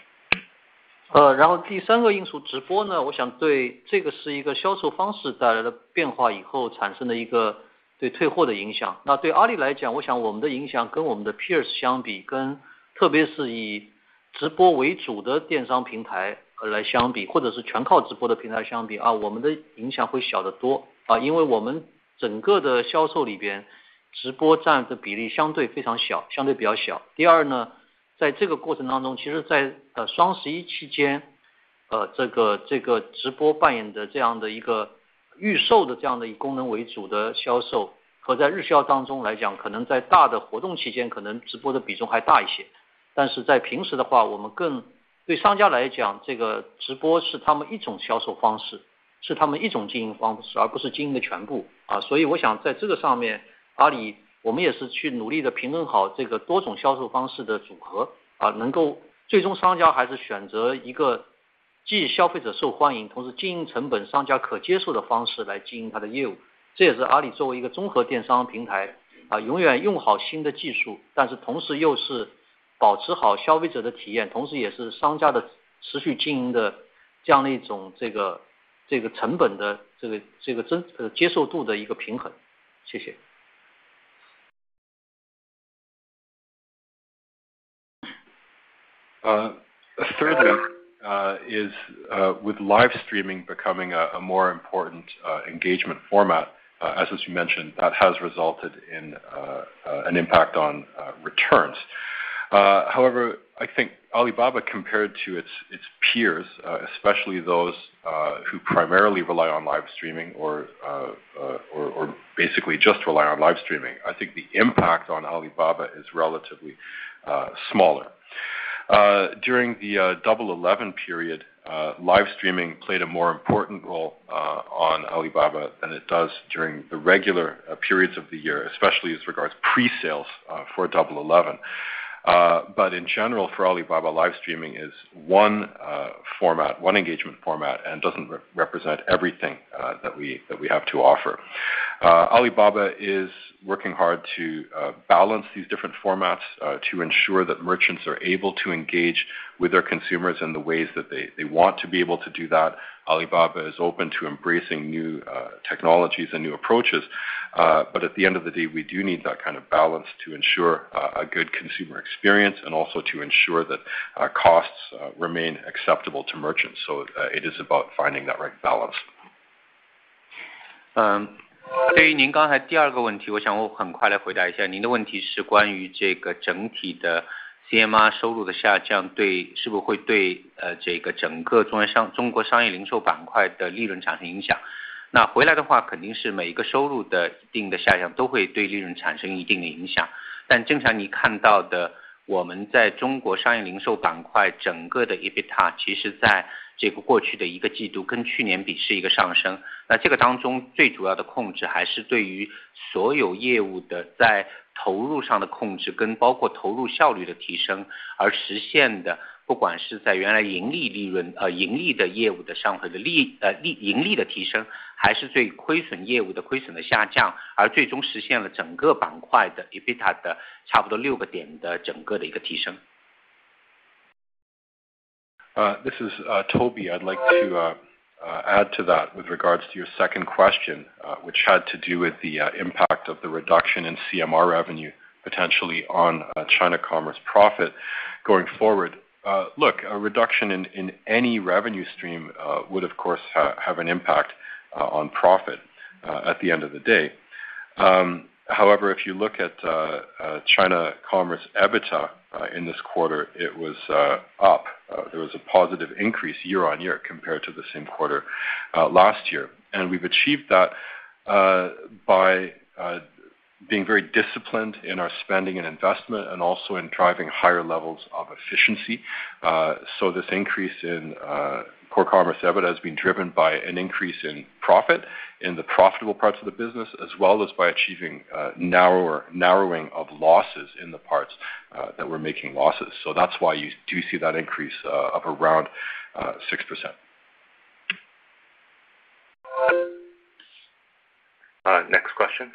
But at the end of the day, we do need that kind of balance to ensure a good consumer experience and also to ensure that costs remain acceptable to merchants. So it is about finding that right balance. This is Toby. I'd like to add to that with regards to your second question, which had to do with the impact of the reduction in CMR revenue potentially on China commerce profit going forward. Look, a reduction in any revenue stream would of course have an impact on profit at the end of the day. However, if you look at China commerce EBITDA in this quarter, it was up, there was a positive increase year-over-year compared to the same quarter last year. We've achieved that by being very disciplined in our spending and investment and also in driving higher levels of efficiency. This increase in core commerce EBITDA has been driven by an increase in profit in the profitable parts of the business, as well as by achieving narrowing of losses in the parts that were making losses. That's why you do see that increase of around 6%. Next question.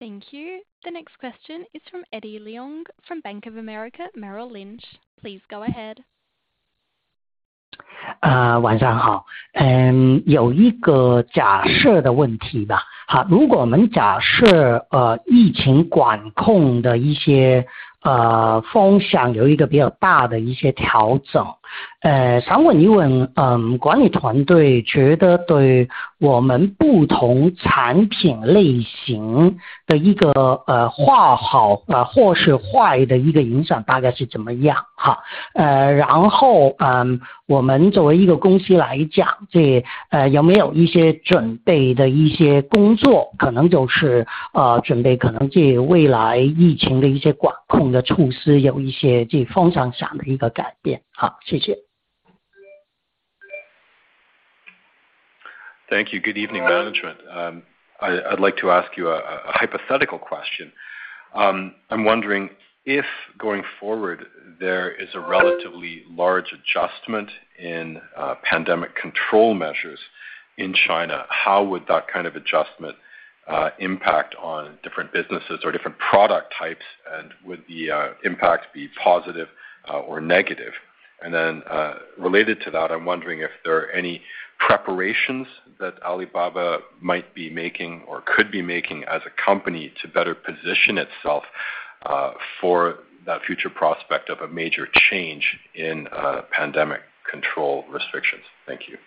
Thank you. The next question is from Eddie Leung from Bank of America Merrill Lynch. Please go ahead. Thank you. Good evening, management. I'd like to ask you a hypothetical question. I'm wondering if, going forward, there is a relatively large adjustment in pandemic control measures in China, how would that kind of adjustment impact on different businesses or different product types, and would the impact be positive or negative? Related to that, I'm wondering if there are any preparations that Alibaba might be making or could be making as a company to better position itself for that future prospect of a major change in pandemic control restrictions? Thank you.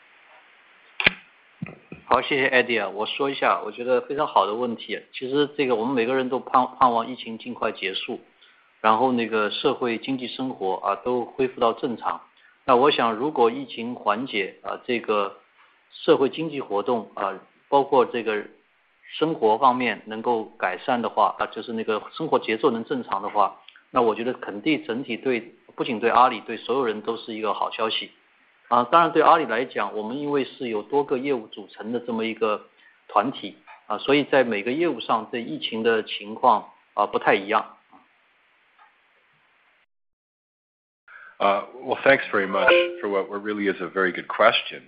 Well, thanks very much for what really is a very good question.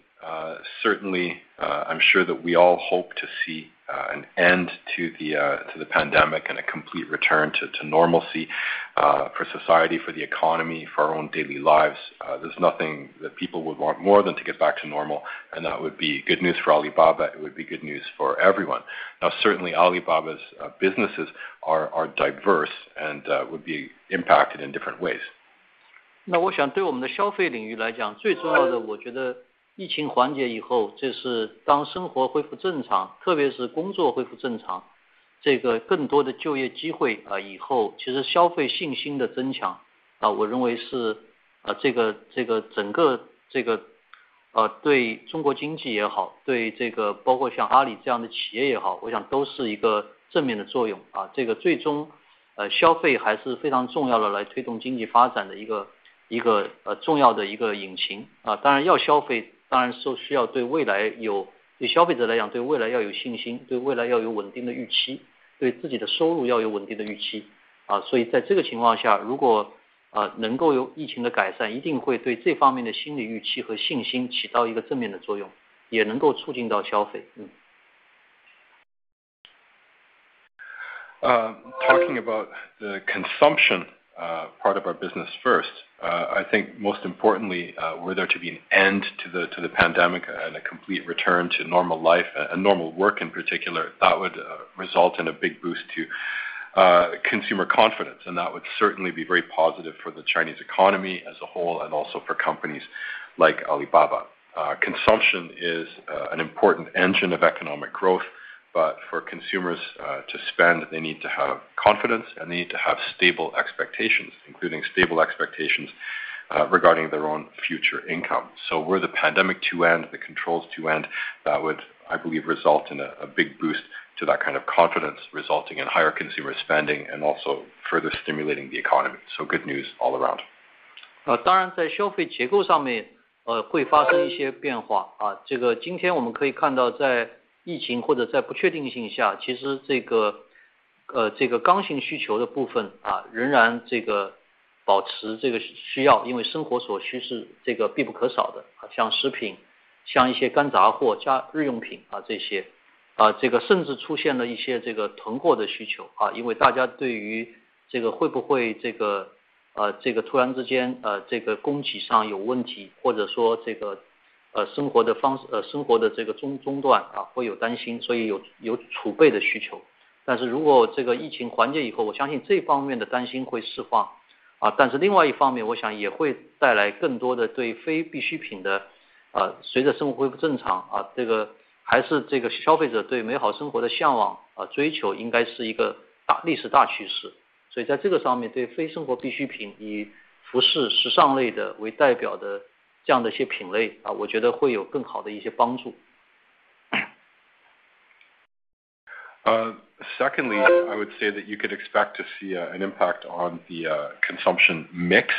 Certainly I'm sure that we all hope to see an end to the pandemic and a complete return to normalcy for society, for the economy, for our own daily lives. There's nothing that people would want more than to get back to normal, and that would be good news for Alibaba. It would be good news for everyone. Now, certainly Alibaba's businesses are diverse and would be impacted in different ways. Talking about the consumption part of our business first, I think most importantly, were there to be an end to the pandemic and a complete return to normal life and normal work in particular, that would result in a big boost to consumer confidence, and that would certainly be very positive for the Chinese economy as a whole and also for companies like Alibaba. Consumption is an important engine of economic growth, but for consumers to spend, they need to have confidence and they need to have stable expectations, including stable expectations regarding their own future income. Were the pandemic to end, the controls to end, that would, I believe, result in a big boost to that kind of confidence resulting in higher consumer spending and also further stimulating the economy. Good news all around. Secondly, I would say that you could expect to see an impact on the consumption mix.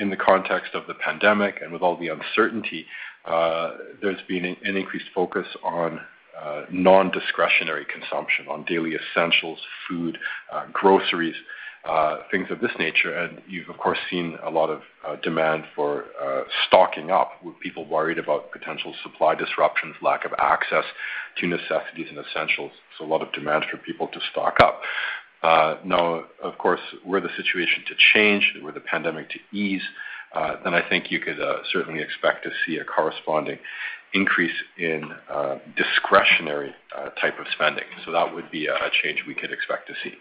In the context of the pandemic and with all the uncertainty, there's been an increased focus on non-discretionary consumption, on daily essentials, food, groceries, things of this nature. You've of course seen a lot of demand for stocking up with people worried about potential supply disruptions, lack of access to necessities and essentials. A lot of demand for people to stock up. Now of course, were the situation to change, were the pandemic to ease, then I think you could certainly expect to see a corresponding increase in discretionary type of spending. That would be a change we could expect to see.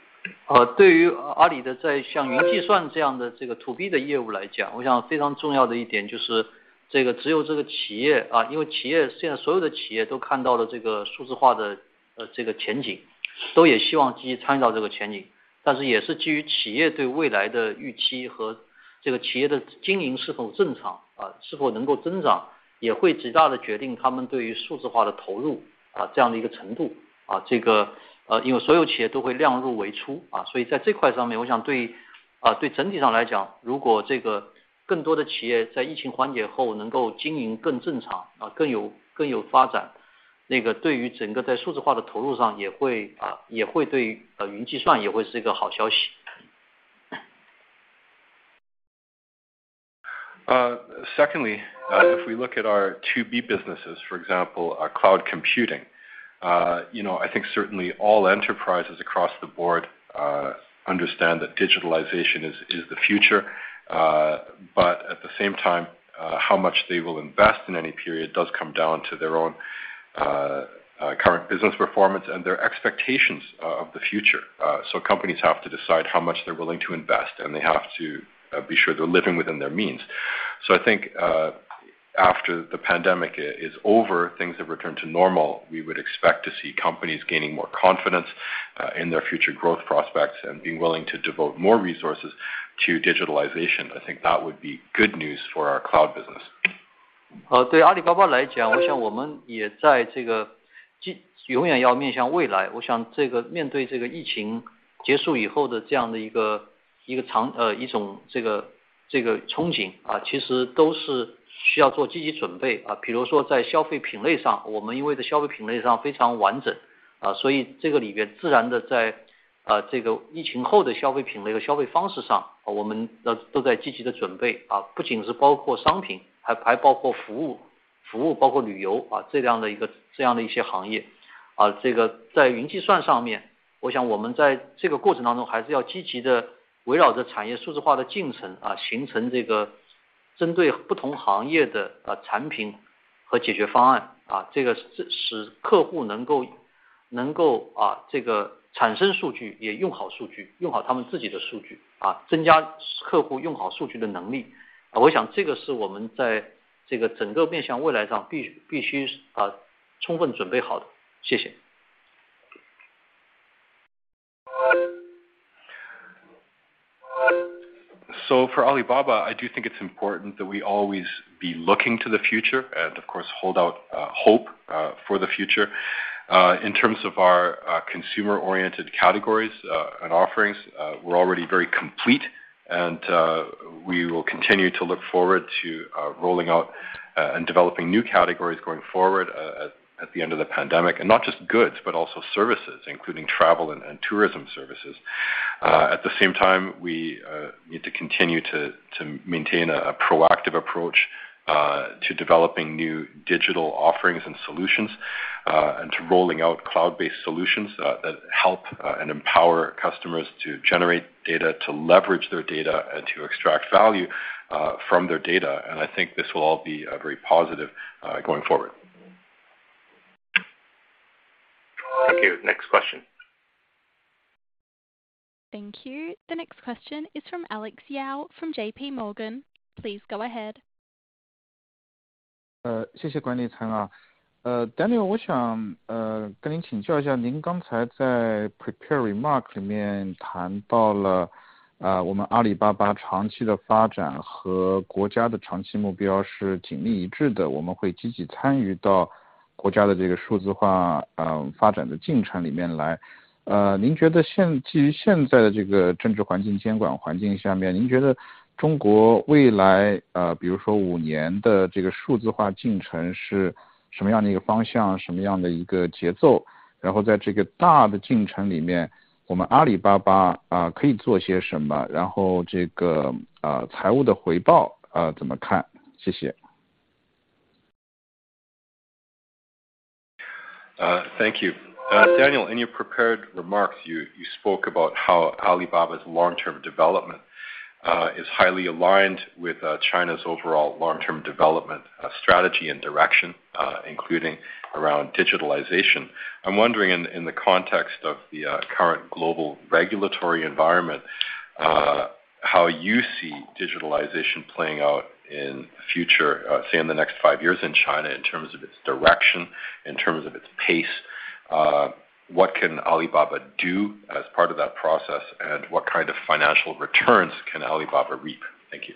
Secondly, if we look at our B2B businesses, for example, cloud computing, you know, I think certainly all enterprises across the board understand that digitalization is the future. At the same time, how much they will invest in any period does come down to their own current business performance and their expectations of the future. Companies have to decide how much they're willing to invest, and they have to be sure they're living within their means. I think after the pandemic is over, things have returned to normal, we would expect to see companies gaining more confidence in their future growth prospects and being willing to devote more resources to digitalization. I think that would be good news for our cloud business. For Alibaba, I do think it's important that we always be looking to the future and of course hold out hope for the future. In terms of our consumer-oriented categories and offerings, we're already very complete and we will continue to look forward to rolling out and developing new categories going forward at the end of the pandemic. Not just goods, but also services, including travel and tourism services. At the same time, we need to continue to maintain a proactive approach to developing new digital offerings and solutions and to rolling out cloud-based solutions that help and empower customers to generate data, to leverage their data, and to extract value from their data. I think this will all be very positive going forward. Thank you. Next question. Thank you. The next question is from Alex Yao from JPMorgan. Please go ahead. Uh. Daniel 在 prepared remarks 谈到 了， 我们阿里巴巴长期的发展和国家的长期目标是紧密一致的。我们会积极参与到国家的这个数字化发展的进程里面来。您觉得现 在， 基于现在的这个政治环境、监管环境下 面， 您觉得中国未 来， 比如说五年的这个数字化进程是什么样的一个方 向， 什么样的一个节 奏？ 然后在这个大的进程里 面， 我们阿里巴巴可以做些什 么？ 然后这个财务的回 报， 怎么 看？ 谢谢。Thank you. Daniel, in your prepared remarks, you spoke about how Alibaba's long-term development is highly aligned with China's overall long-term development strategy and direction, including around digitalization. I'm wondering in the context of the current global regulatory environment, how you see digitalization playing out in future, say in the next five years in China in terms of its direction, in terms of its pace, what can Alibaba do as part of that process, and what kind of financial returns can Alibaba reap? Thank you.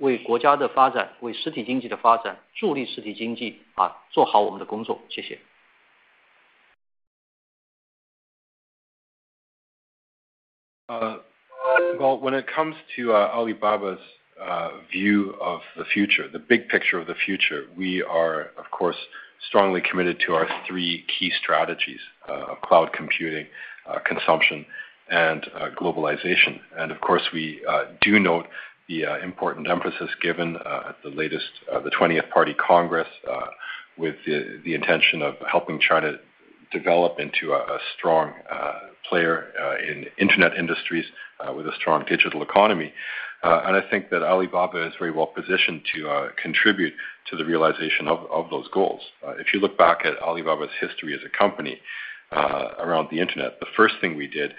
Well, when it comes to Alibaba's view of the future, the big picture of the future, we are of course strongly committed to our three key strategies of cloud computing, consumption and globalization. Of course, we do note the important emphasis given at the latest 20th Party Congress with the intention of helping China develop into a strong player in internet industries with a strong digital economy. I think that Alibaba is very well positioned to contribute to the realization of those goals. If you look back at Alibaba's history as a company around the internet. The first thing we did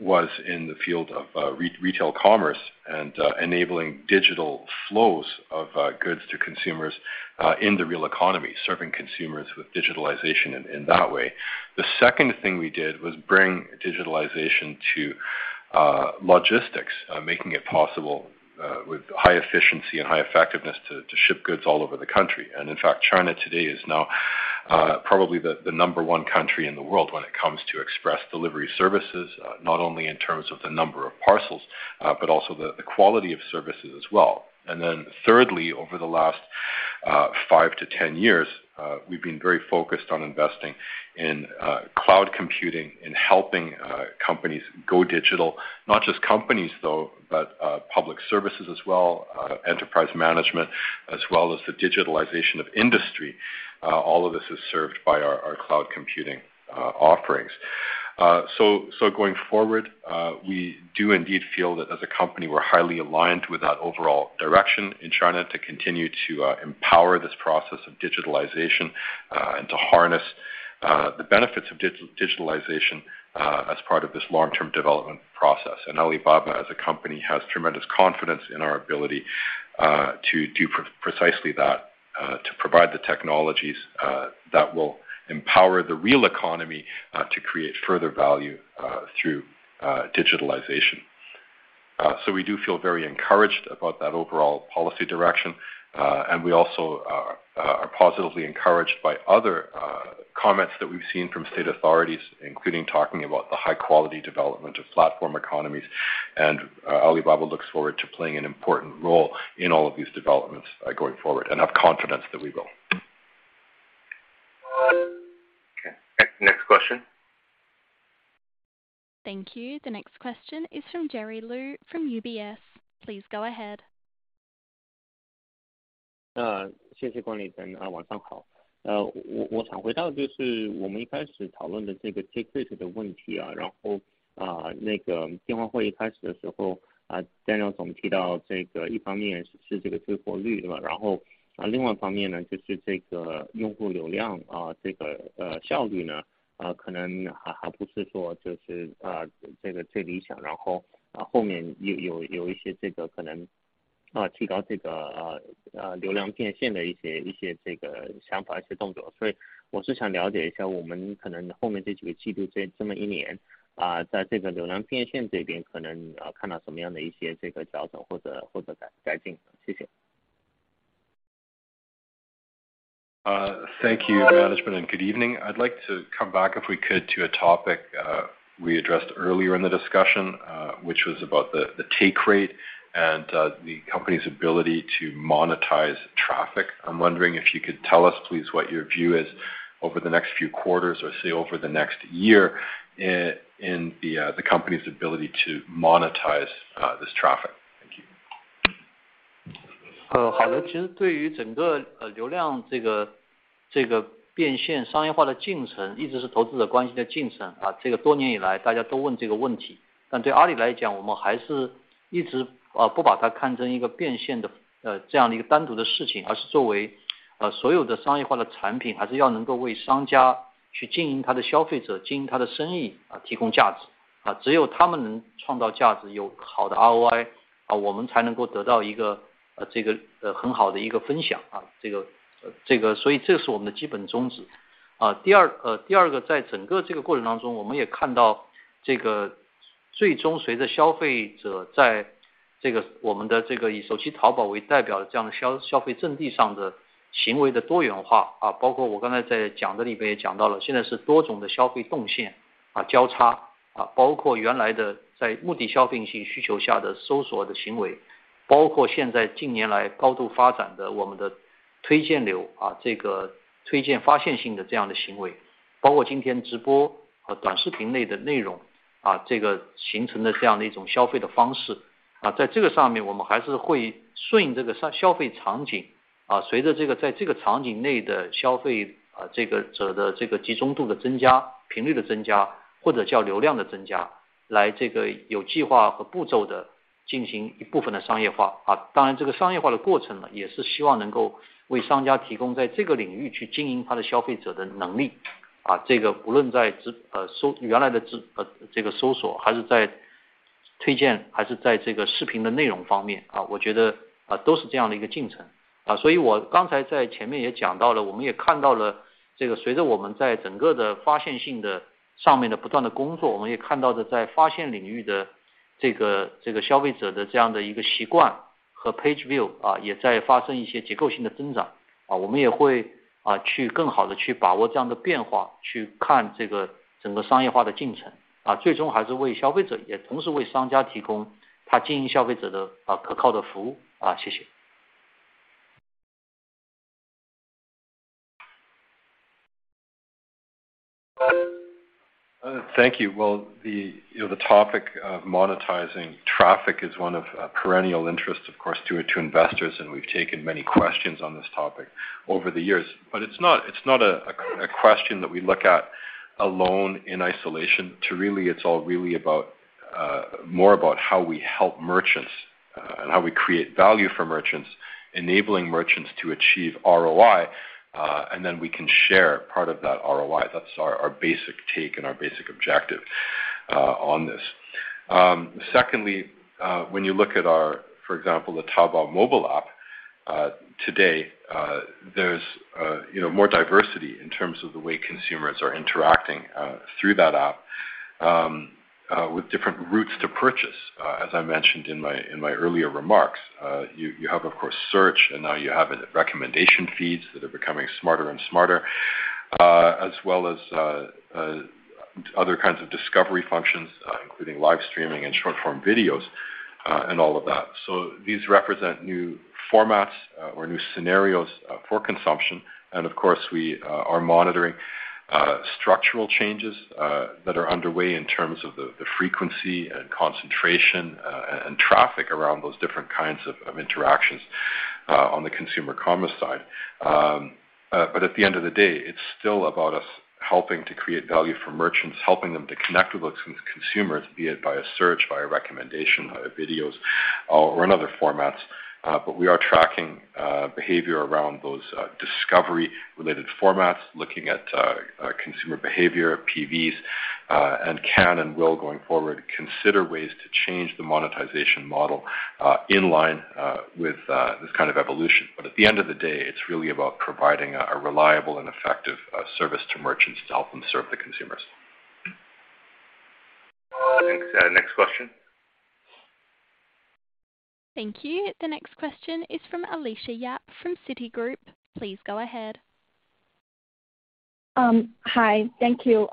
was in the field of retail commerce and enabling digital flows of goods to consumers in the real economy, serving consumers with digitalization in that way. The second thing we did was bring digitalization to logistics, making it possible with high efficiency and high effectiveness to ship goods all over the country. In fact, China today is now probably the number one country in the world when it comes to express delivery services, not only in terms of the number of parcels but also the quality of services as well. Thirdly, over the last five-10 years, we've been very focused on investing in cloud computing and helping companies go digital. Not just companies though, but public services as well, enterprise management, as well as the digitalization of industry. All of this is served by our cloud computing offerings. Going forward, we do indeed feel that as a company, we're highly aligned with that overall direction in China to continue to empower this process of digitalization and to harness the benefits of digitalization as part of this long-term development process. Alibaba as a company, has tremendous confidence in our ability to do precisely that, to provide the technologies that will empower the real economy to create further value through digitalization. We do feel very encouraged about that overall policy direction. We also are positively encouraged by other comments that we've seen from state authorities, including talking about the high-quality development of platform economies. Alibaba looks forward to playing an important role in all of these developments going forward and have confidence that we will. Okay. Next question. Thank you. The next question is from Jerry Liu from UBS. Please go ahead. Thank you. Management and good evening. I'd like to come back, if we could, to a topic we addressed earlier in the discussion, which was about the take rate and the company's ability to monetize traffic. I'm wondering if you could tell us, please, what your view is over the next few quarters or say, over the next year in the company's ability to monetize this traffic. Thank you. Thank you. Management and good evening. I'd like to come back, if we could, to a topic we addressed earlier in the discussion, which was about the take rate and the company's ability to monetize this traffic. Thank you. Thank you. Well, you know, the topic of monetizing traffic is one of perennial interest, of course, to investors. We've taken many questions on this topic over the years. It's not a question that we look at alone in isolation. It's all really more about how we help merchants and how we create value for merchants, enabling merchants to achieve ROI, and then we can share part of that ROI. That's our basic take and our basic objective on this. Secondly, when you look at, for example, the Taobao mobile app today, there's, you know, more diversity in terms of the way consumers are interacting through that app with different routes to purchase as I mentioned in my earlier remarks. You have, of course, search, and now you have recommendation feeds that are becoming smarter and smarter, as well as other kinds of discovery functions, including live streaming and short-form videos, and all of that. These represent new formats or new scenarios for consumption. Of course, we are monitoring structural changes that are underway in terms of the frequency and concentration and traffic around those different kinds of interactions on the consumer commerce side. At the end of the day, it's still about us helping to create value for merchants, helping them to connect with those consumers, be it by a search, by a recommendation, videos, or another formats. We are tracking behavior around those discovery-related formats, looking at consumer behavior, PVs, and can and will, going forward, consider ways to change the monetization model in line with this kind of evolution. At the end of the day, it's really about providing a reliable and effective service to merchants to help them serve the consumers. Thanks. Next question. Thank you. The next question is from Alicia Yap from Citigroup. Please go ahead. Hi. Thank you.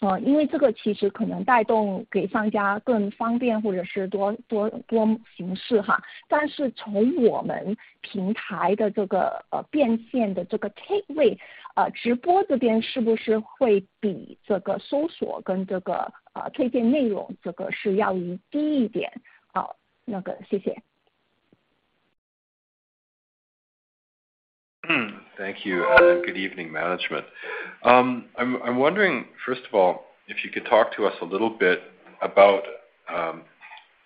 rate，直播这边是不是会比这个搜索跟这个推荐内容这个是要低一点？好，谢谢。Thank you. Good evening, management. I'm wondering, first of all, if you could talk to us a little bit about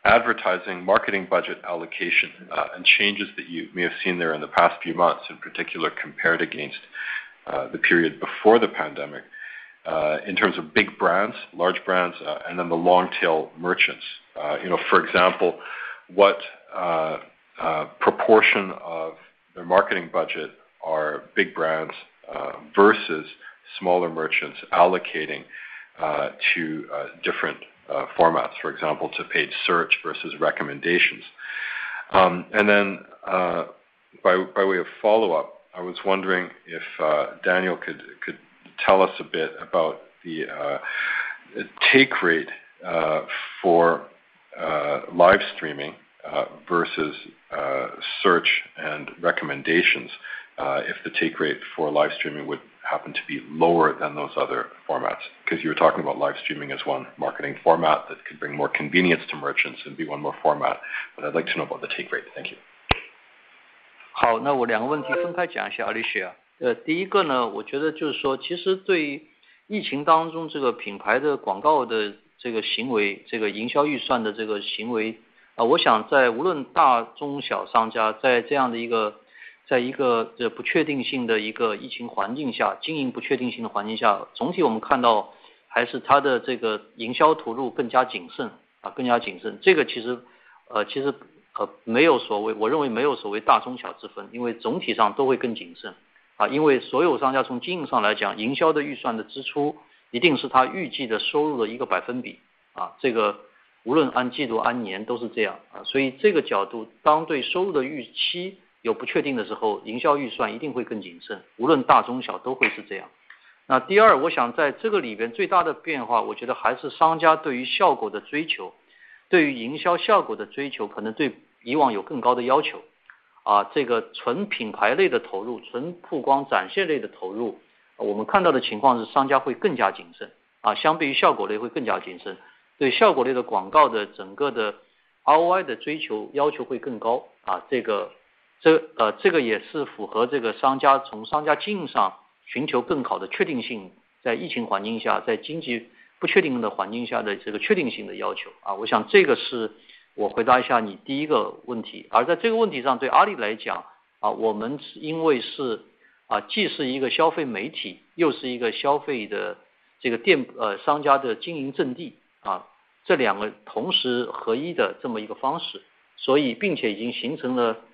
advertising marketing budget allocation and changes that you may have seen there in the past few months, in particular compared against the period before the pandemic in terms of big brands, large brands, and then the long tail merchants. You know, for example, what proportion of their marketing budget are big brands versus smaller merchants allocating to different formats, for example, to paid search versus recommendations? By way of follow-up, I was wondering if Daniel could tell us a bit about the take rate for live streaming versus search and recommendations, if the take rate for live streaming would happen to be lower than those other formats. Because you were talking about live streaming as one marketing format that could bring more convenience to merchants and be one more format, I'd like to know about the take rate. Thank you. 好，那我两个问题分开讲一下，Alicia。第一个呢，我觉得就是说其实对于疫情当中这个品牌的广告的这个行为，这个营销预算的这个行为，我想无论大中小商家在这样的一个，在一个这个不确定性的一个疫情环境下，经营不确定性的环境下，总体我们看到还是它的这个营销投入更加谨慎，更加谨慎。这个其实没有所谓，我认为没有所谓大中小之分，因为总体上都会更谨慎。因为所有商家从经营上来讲，营销的预算的支出一定是他预计的收入的一个百分比。这个无论按季度、按年都是这样。所以这个角度，当对收入的预期有不确定的时候，营销预算一定会更谨慎，无论大中小都会是这样。那第二，我想在这个里边最大的变化我觉得还是商家对于效果的追求，对于营销效果的追求，可能对以往有更高的要求。这个纯品牌类的投入，纯曝光展现类的投入，我们看到的情况是商家会更加谨慎，相对于效果类会更加谨慎。对效果类的广告的整个的ROI的追求要求会更高。这个也是符合这个商家从商家经营上寻求更好的确定性。在疫情环境下，在经济不确定的环境下的这个确定性的要求。我想这个是我回答一下你第一个问题。而在这个问题上，对阿里来讲，我们因为既是一个消费媒体，又是一个消费的商家的经营阵地。这两个同时合一的这么一个方式。并且已经形成了这个商家完整持续经营，而不是卖中心经营，是持续经营的方法论。和这个盈利模式。所以对商家来讲，我想跟这个淘宝、天猫这样的结合，这个我觉得是一个，这个是他们一个重要的一个经营的主阵地。这样的一个position我觉得今天我们看到在疫情环境下更加重要，更加重要。就像这个商家也许会都去探索一些任何有新的这个平台或者新的通路的时候都会去做探索，因为谁都想追求增量。最后发觉追求增量，这个中间付出的ROI长期来讲能不能稳定，能不能可持续，我想这个是所有商家在特别的疫情环境下都会做更谨慎的判断的一个角度。所以这是第一个问题。第二个问，这个先翻译一下。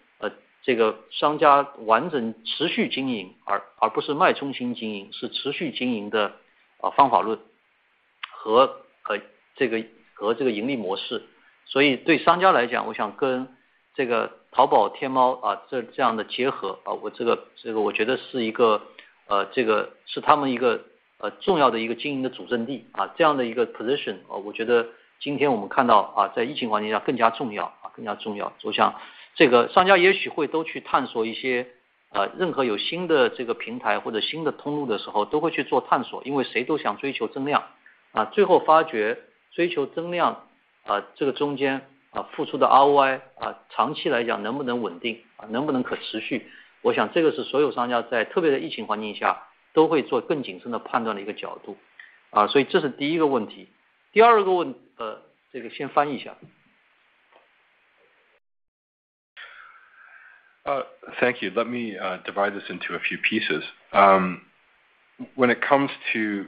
Thank you. Let me divide this into a few pieces. When it comes to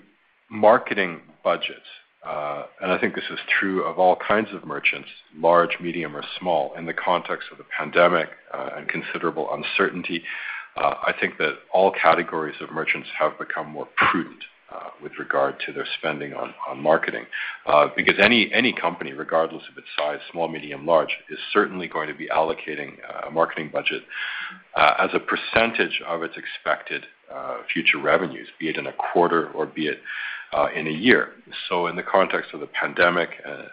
marketing budgets, and I think this is true of all kinds of merchants, large, medium or small, in the context of the pandemic and considerable uncertainty. I think that all categories of merchants have become more prudent with regard to their spending on marketing. Because any company, regardless of its size, small, medium, large, is certainly going to be allocating a marketing budget as a percentage of its expected future revenues, be it in a quarter or be it in a year. In the context of the pandemic,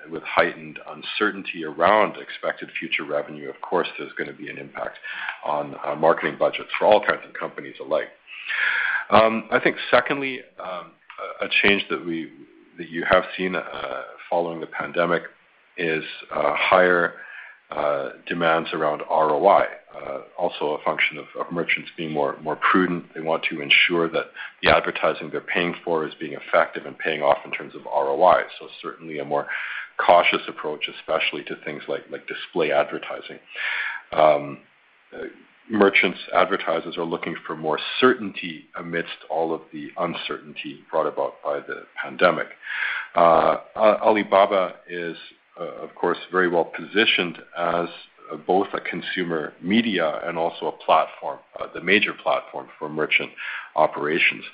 with heightened uncertainty around expected future revenue, of course there's going to be an impact on marketing budgets for all kinds of companies alike. I think secondly, a change that you have seen following the pandemic is higher demands around ROI. Also a function of merchants being more prudent. They want to ensure that the advertising they're paying for is being effective and paying off in terms of ROI. Certainly a more cautious approach, especially to things like display advertising. Merchants, advertisers are looking for more certainty amidst all of the uncertainty brought about by the pandemic. Alibaba is of course very well positioned as both a consumer media and also a platform. The major platform for merchant operations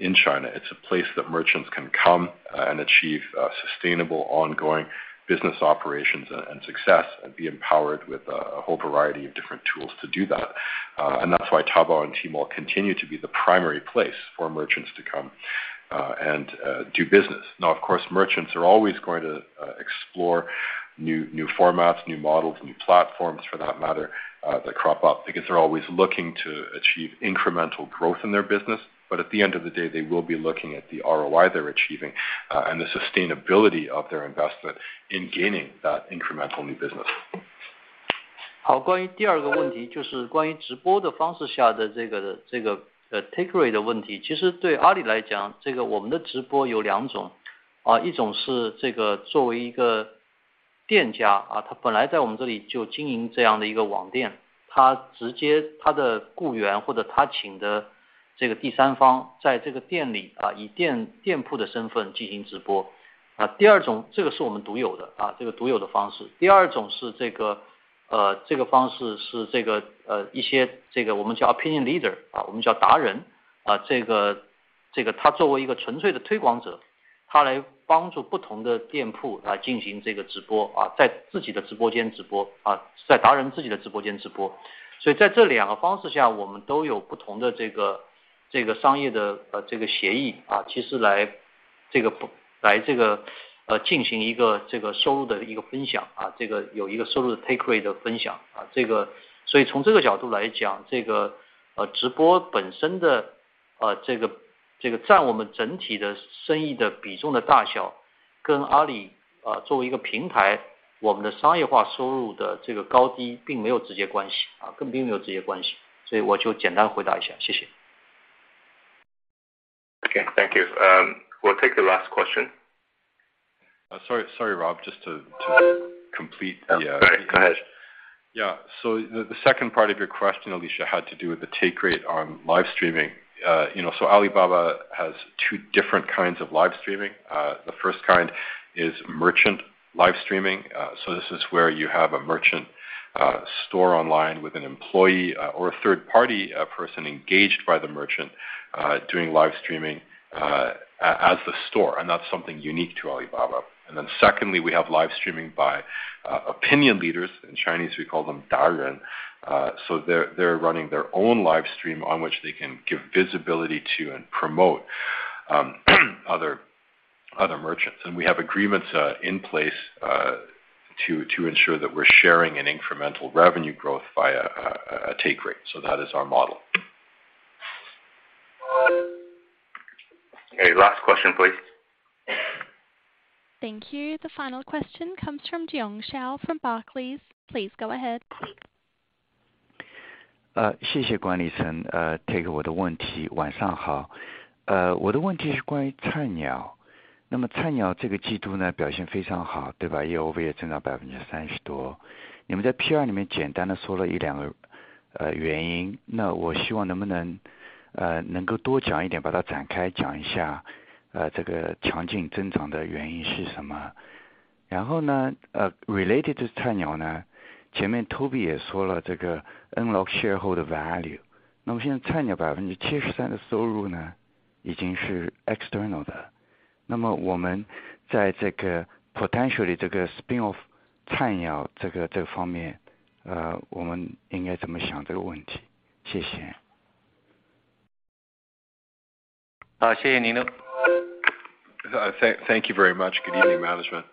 in China. It's a place that merchants can come and achieve sustainable ongoing business operations and success and be empowered with a whole variety of different tools to do that. That's why Taobao and Tmall continue to be the primary place for merchants to come and do business. Now, of course, merchants are always going to explore new formats, new models, new platforms for that matter, that crop up because they're always looking to achieve incremental growth in their business. At the end of the day, they will be looking at the ROI they're achieving and the sustainability of their investment in gaining that incremental new business. 关于第二个问题，就是关于直播的方式下的take rate的问题。其实对阿里来讲，我们的直播有两种。一种是作为一个店家，他本来在我们这里就经营这样的一个网店，他直接他的雇员或者他请的第三方在这个店里，以店铺的身份进行直播。第二种，这个是我们独有的方式。第二种是，一些我们叫opinion leader，我们叫达人，他作为一个纯粹的推广者，他来帮助不同的店铺来进行直播，在达人自己的直播间直播。所以在这两个方式下，我们都有不同的商业协议，来进行一个收入的take Okay, thank you. Will take the last question. Sorry Rob. Go ahead. Yeah. The second part of your question, Alicia, had to do with the take rate on live streaming. You know, Alibaba has two different kinds of live streaming. The first kind is merchant live streaming. This is where you have a merchant store online with an employee or a third-party person engaged by the merchant doing live streaming as the store. That's something unique to Alibaba. Secondly, we have live streaming by opinion leaders. In Chinese, we call them Daren. They're running their own live stream on which they can give visibility to and promote other merchants. We have agreements in place to ensure that we're sharing an incremental revenue growth via a take rate. That is our model. Last question, please. Thank you. The final question comes from Jiong Shao from Barclays. Please go ahead. 谢谢管理层 take 我的问题。晚上好。我的问题是关于菜鸟。那么菜鸟这个季度表现非常好，对吧？YoY 增长 30% 多。你们在 PR 里面简单地说了一两个原因，那我希望能够多讲一点，把它展开讲一下，这个强劲增长的原因是什么？然后呢，related 这菜鸟，前面 Toby 也说了这个 unlock share 后的 value。那么现在菜鸟 73% 的收入，已经是 external 的，那么我们在这个 potentially 这个 spin off 菜鸟这个方面，我们应该怎么想这个问题？谢谢。好，谢谢您的。Thank you very much. Good evening, Management.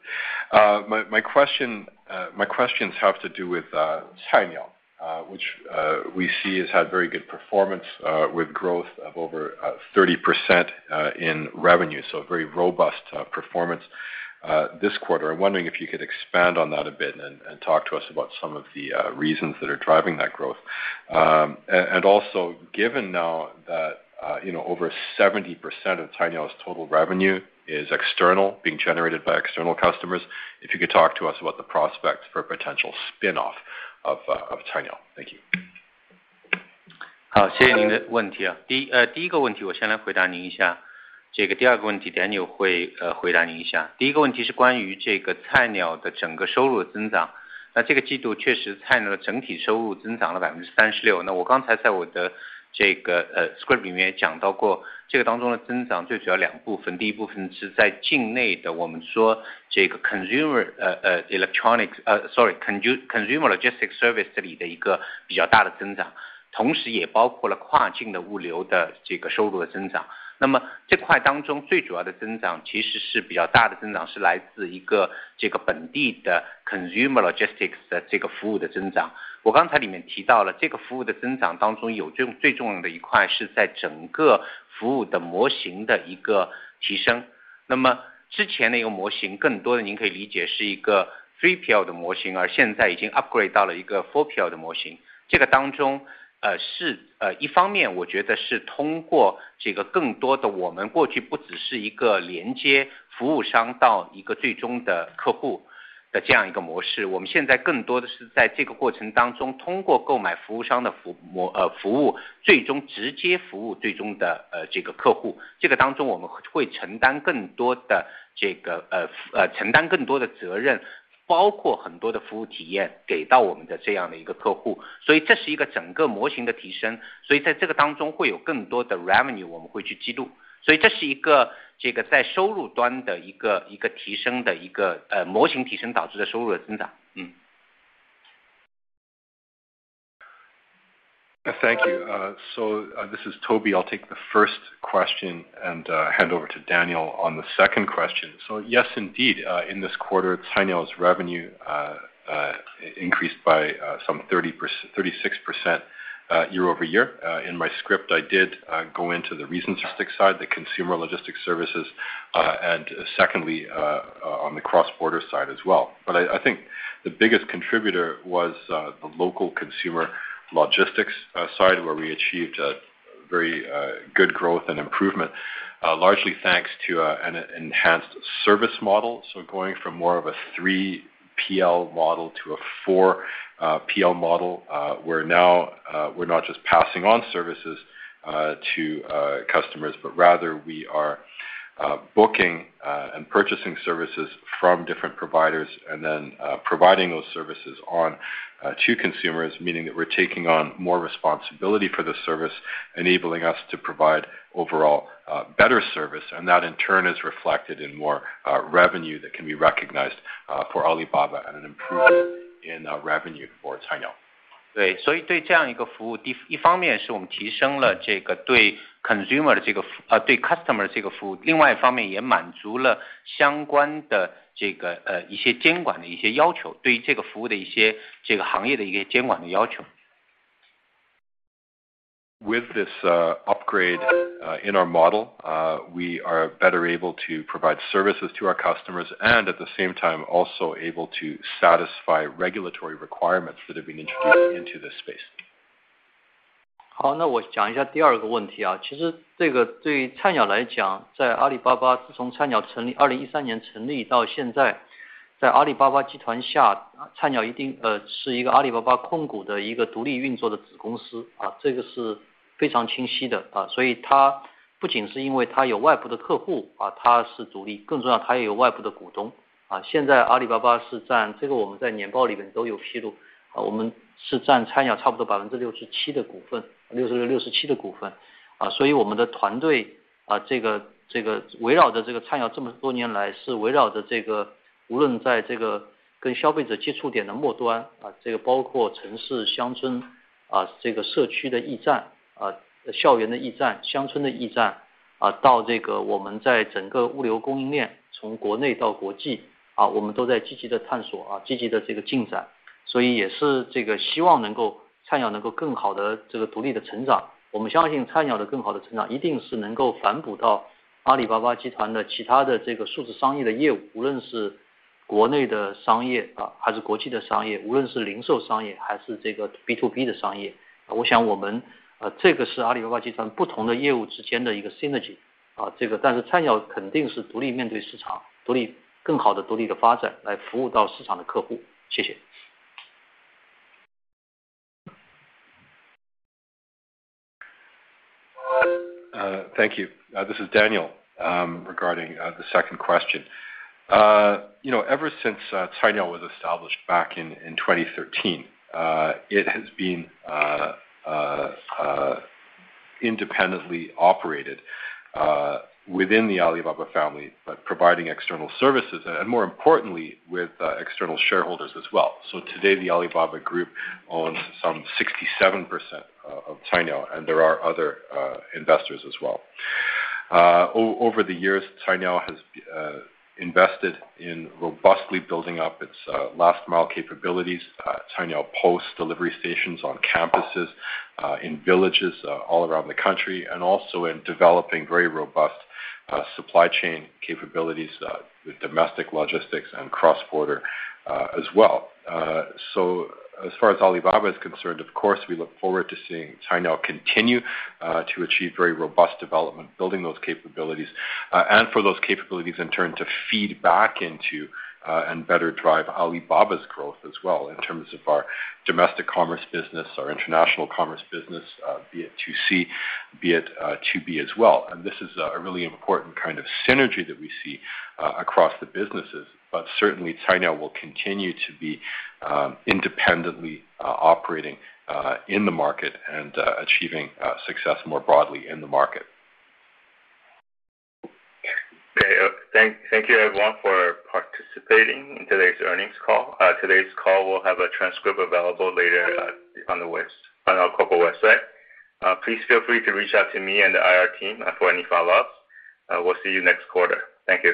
My questions have to do with Cainiao, which we see has had very good performance with growth of over 30% in revenue. A very robust performance this quarter. I'm wondering if you could expand on that a bit and talk to us about some of the reasons that are driving that growth. Also given now that, you know, over 70% of Cainiao total revenue is external being generated by external customers, if you could talk to us about the prospects for a potential spin-off of Cainiao. Thank you. 好，谢谢您的问题。第一个问题我先来回答您一下，第二个问题Daniel会回答您一下。第一个问题是关于菜鸟的整个收入的增长，那这个季度确实菜鸟的整体收入增长了36%。那我刚才在我的script里面讲到过，这个当中的增长最主要两部分，第一部分是在境内的consumer logistics service里的一个比较大的增长，同时也包括了跨境的物流的收入的增长。那么这块当中最主要的增长，比较大的增长是来自本地的consumer Thank you. This is Toby. I'll take the first question and hand over to Daniel on the second question. Yes, indeed, in this quarter, Cainiao revenue increased by some 36% year-over-year. In my script I did go into the reasons, the domestic side, the consumer logistics services. Secondly on the cross-border side as well. I think the biggest contributor was the local consumer logistics side where we achieved a very good growth and improvement, largely thanks to an enhanced service model. Going from more of a 3PL model to a 4PL model, we're now not just passing on services to customers, but rather we are booking and purchasing services from different providers and then providing those services on to consumers, meaning that we're taking on more responsibility for the service, enabling us to provide overall better service. That in turn is reflected in more revenue that can be recognized for Alibaba and an improvement in our revenue for With this upgrade in our model, we are better able to provide services to our customers and at the same time also able to satisfy regulatory requirements that have been introduced into this space. Thank you. This is Daniel regarding the second question. You know, ever since Cainiao was established back in 2013, it has been independently operated within the Alibaba family, but providing external services and more importantly with external shareholders as well. Today, the Alibaba Group owns some 67% of Cainiao, and there are other investors as well. Over the years, Cainiao has invested in robustly building up its last mile capabilities, Cainiao Post delivery stations on campuses, in villages, all around the country, and also in developing very robust supply chain capabilities with domestic logistics and cross-border as well. As far as Alibaba is concerned, of course, we look forward to seeing Cainiao continue to achieve very robust development, building those capabilities, and for those capabilities in turn to feed back into and better drive Alibaba's growth as well in terms of our domestic commerce business, our international commerce business, be it 2C, be it 2B as well. This is a really important kind of synergy that we see across the businesses. Certainly Cainiao will continue to be independently operating in the market and achieving success more broadly in the market. Okay. Thank you everyone for participating in today's earnings call. Today's call will have a transcript available later on our corporate website. Please feel free to reach out to me and the I.R. team for any follow-ups. We'll see you next quarter. Thank you.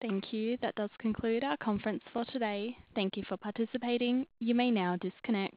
Thank you. That does conclude our conference for today. Thank you for participating. You may now disconnect.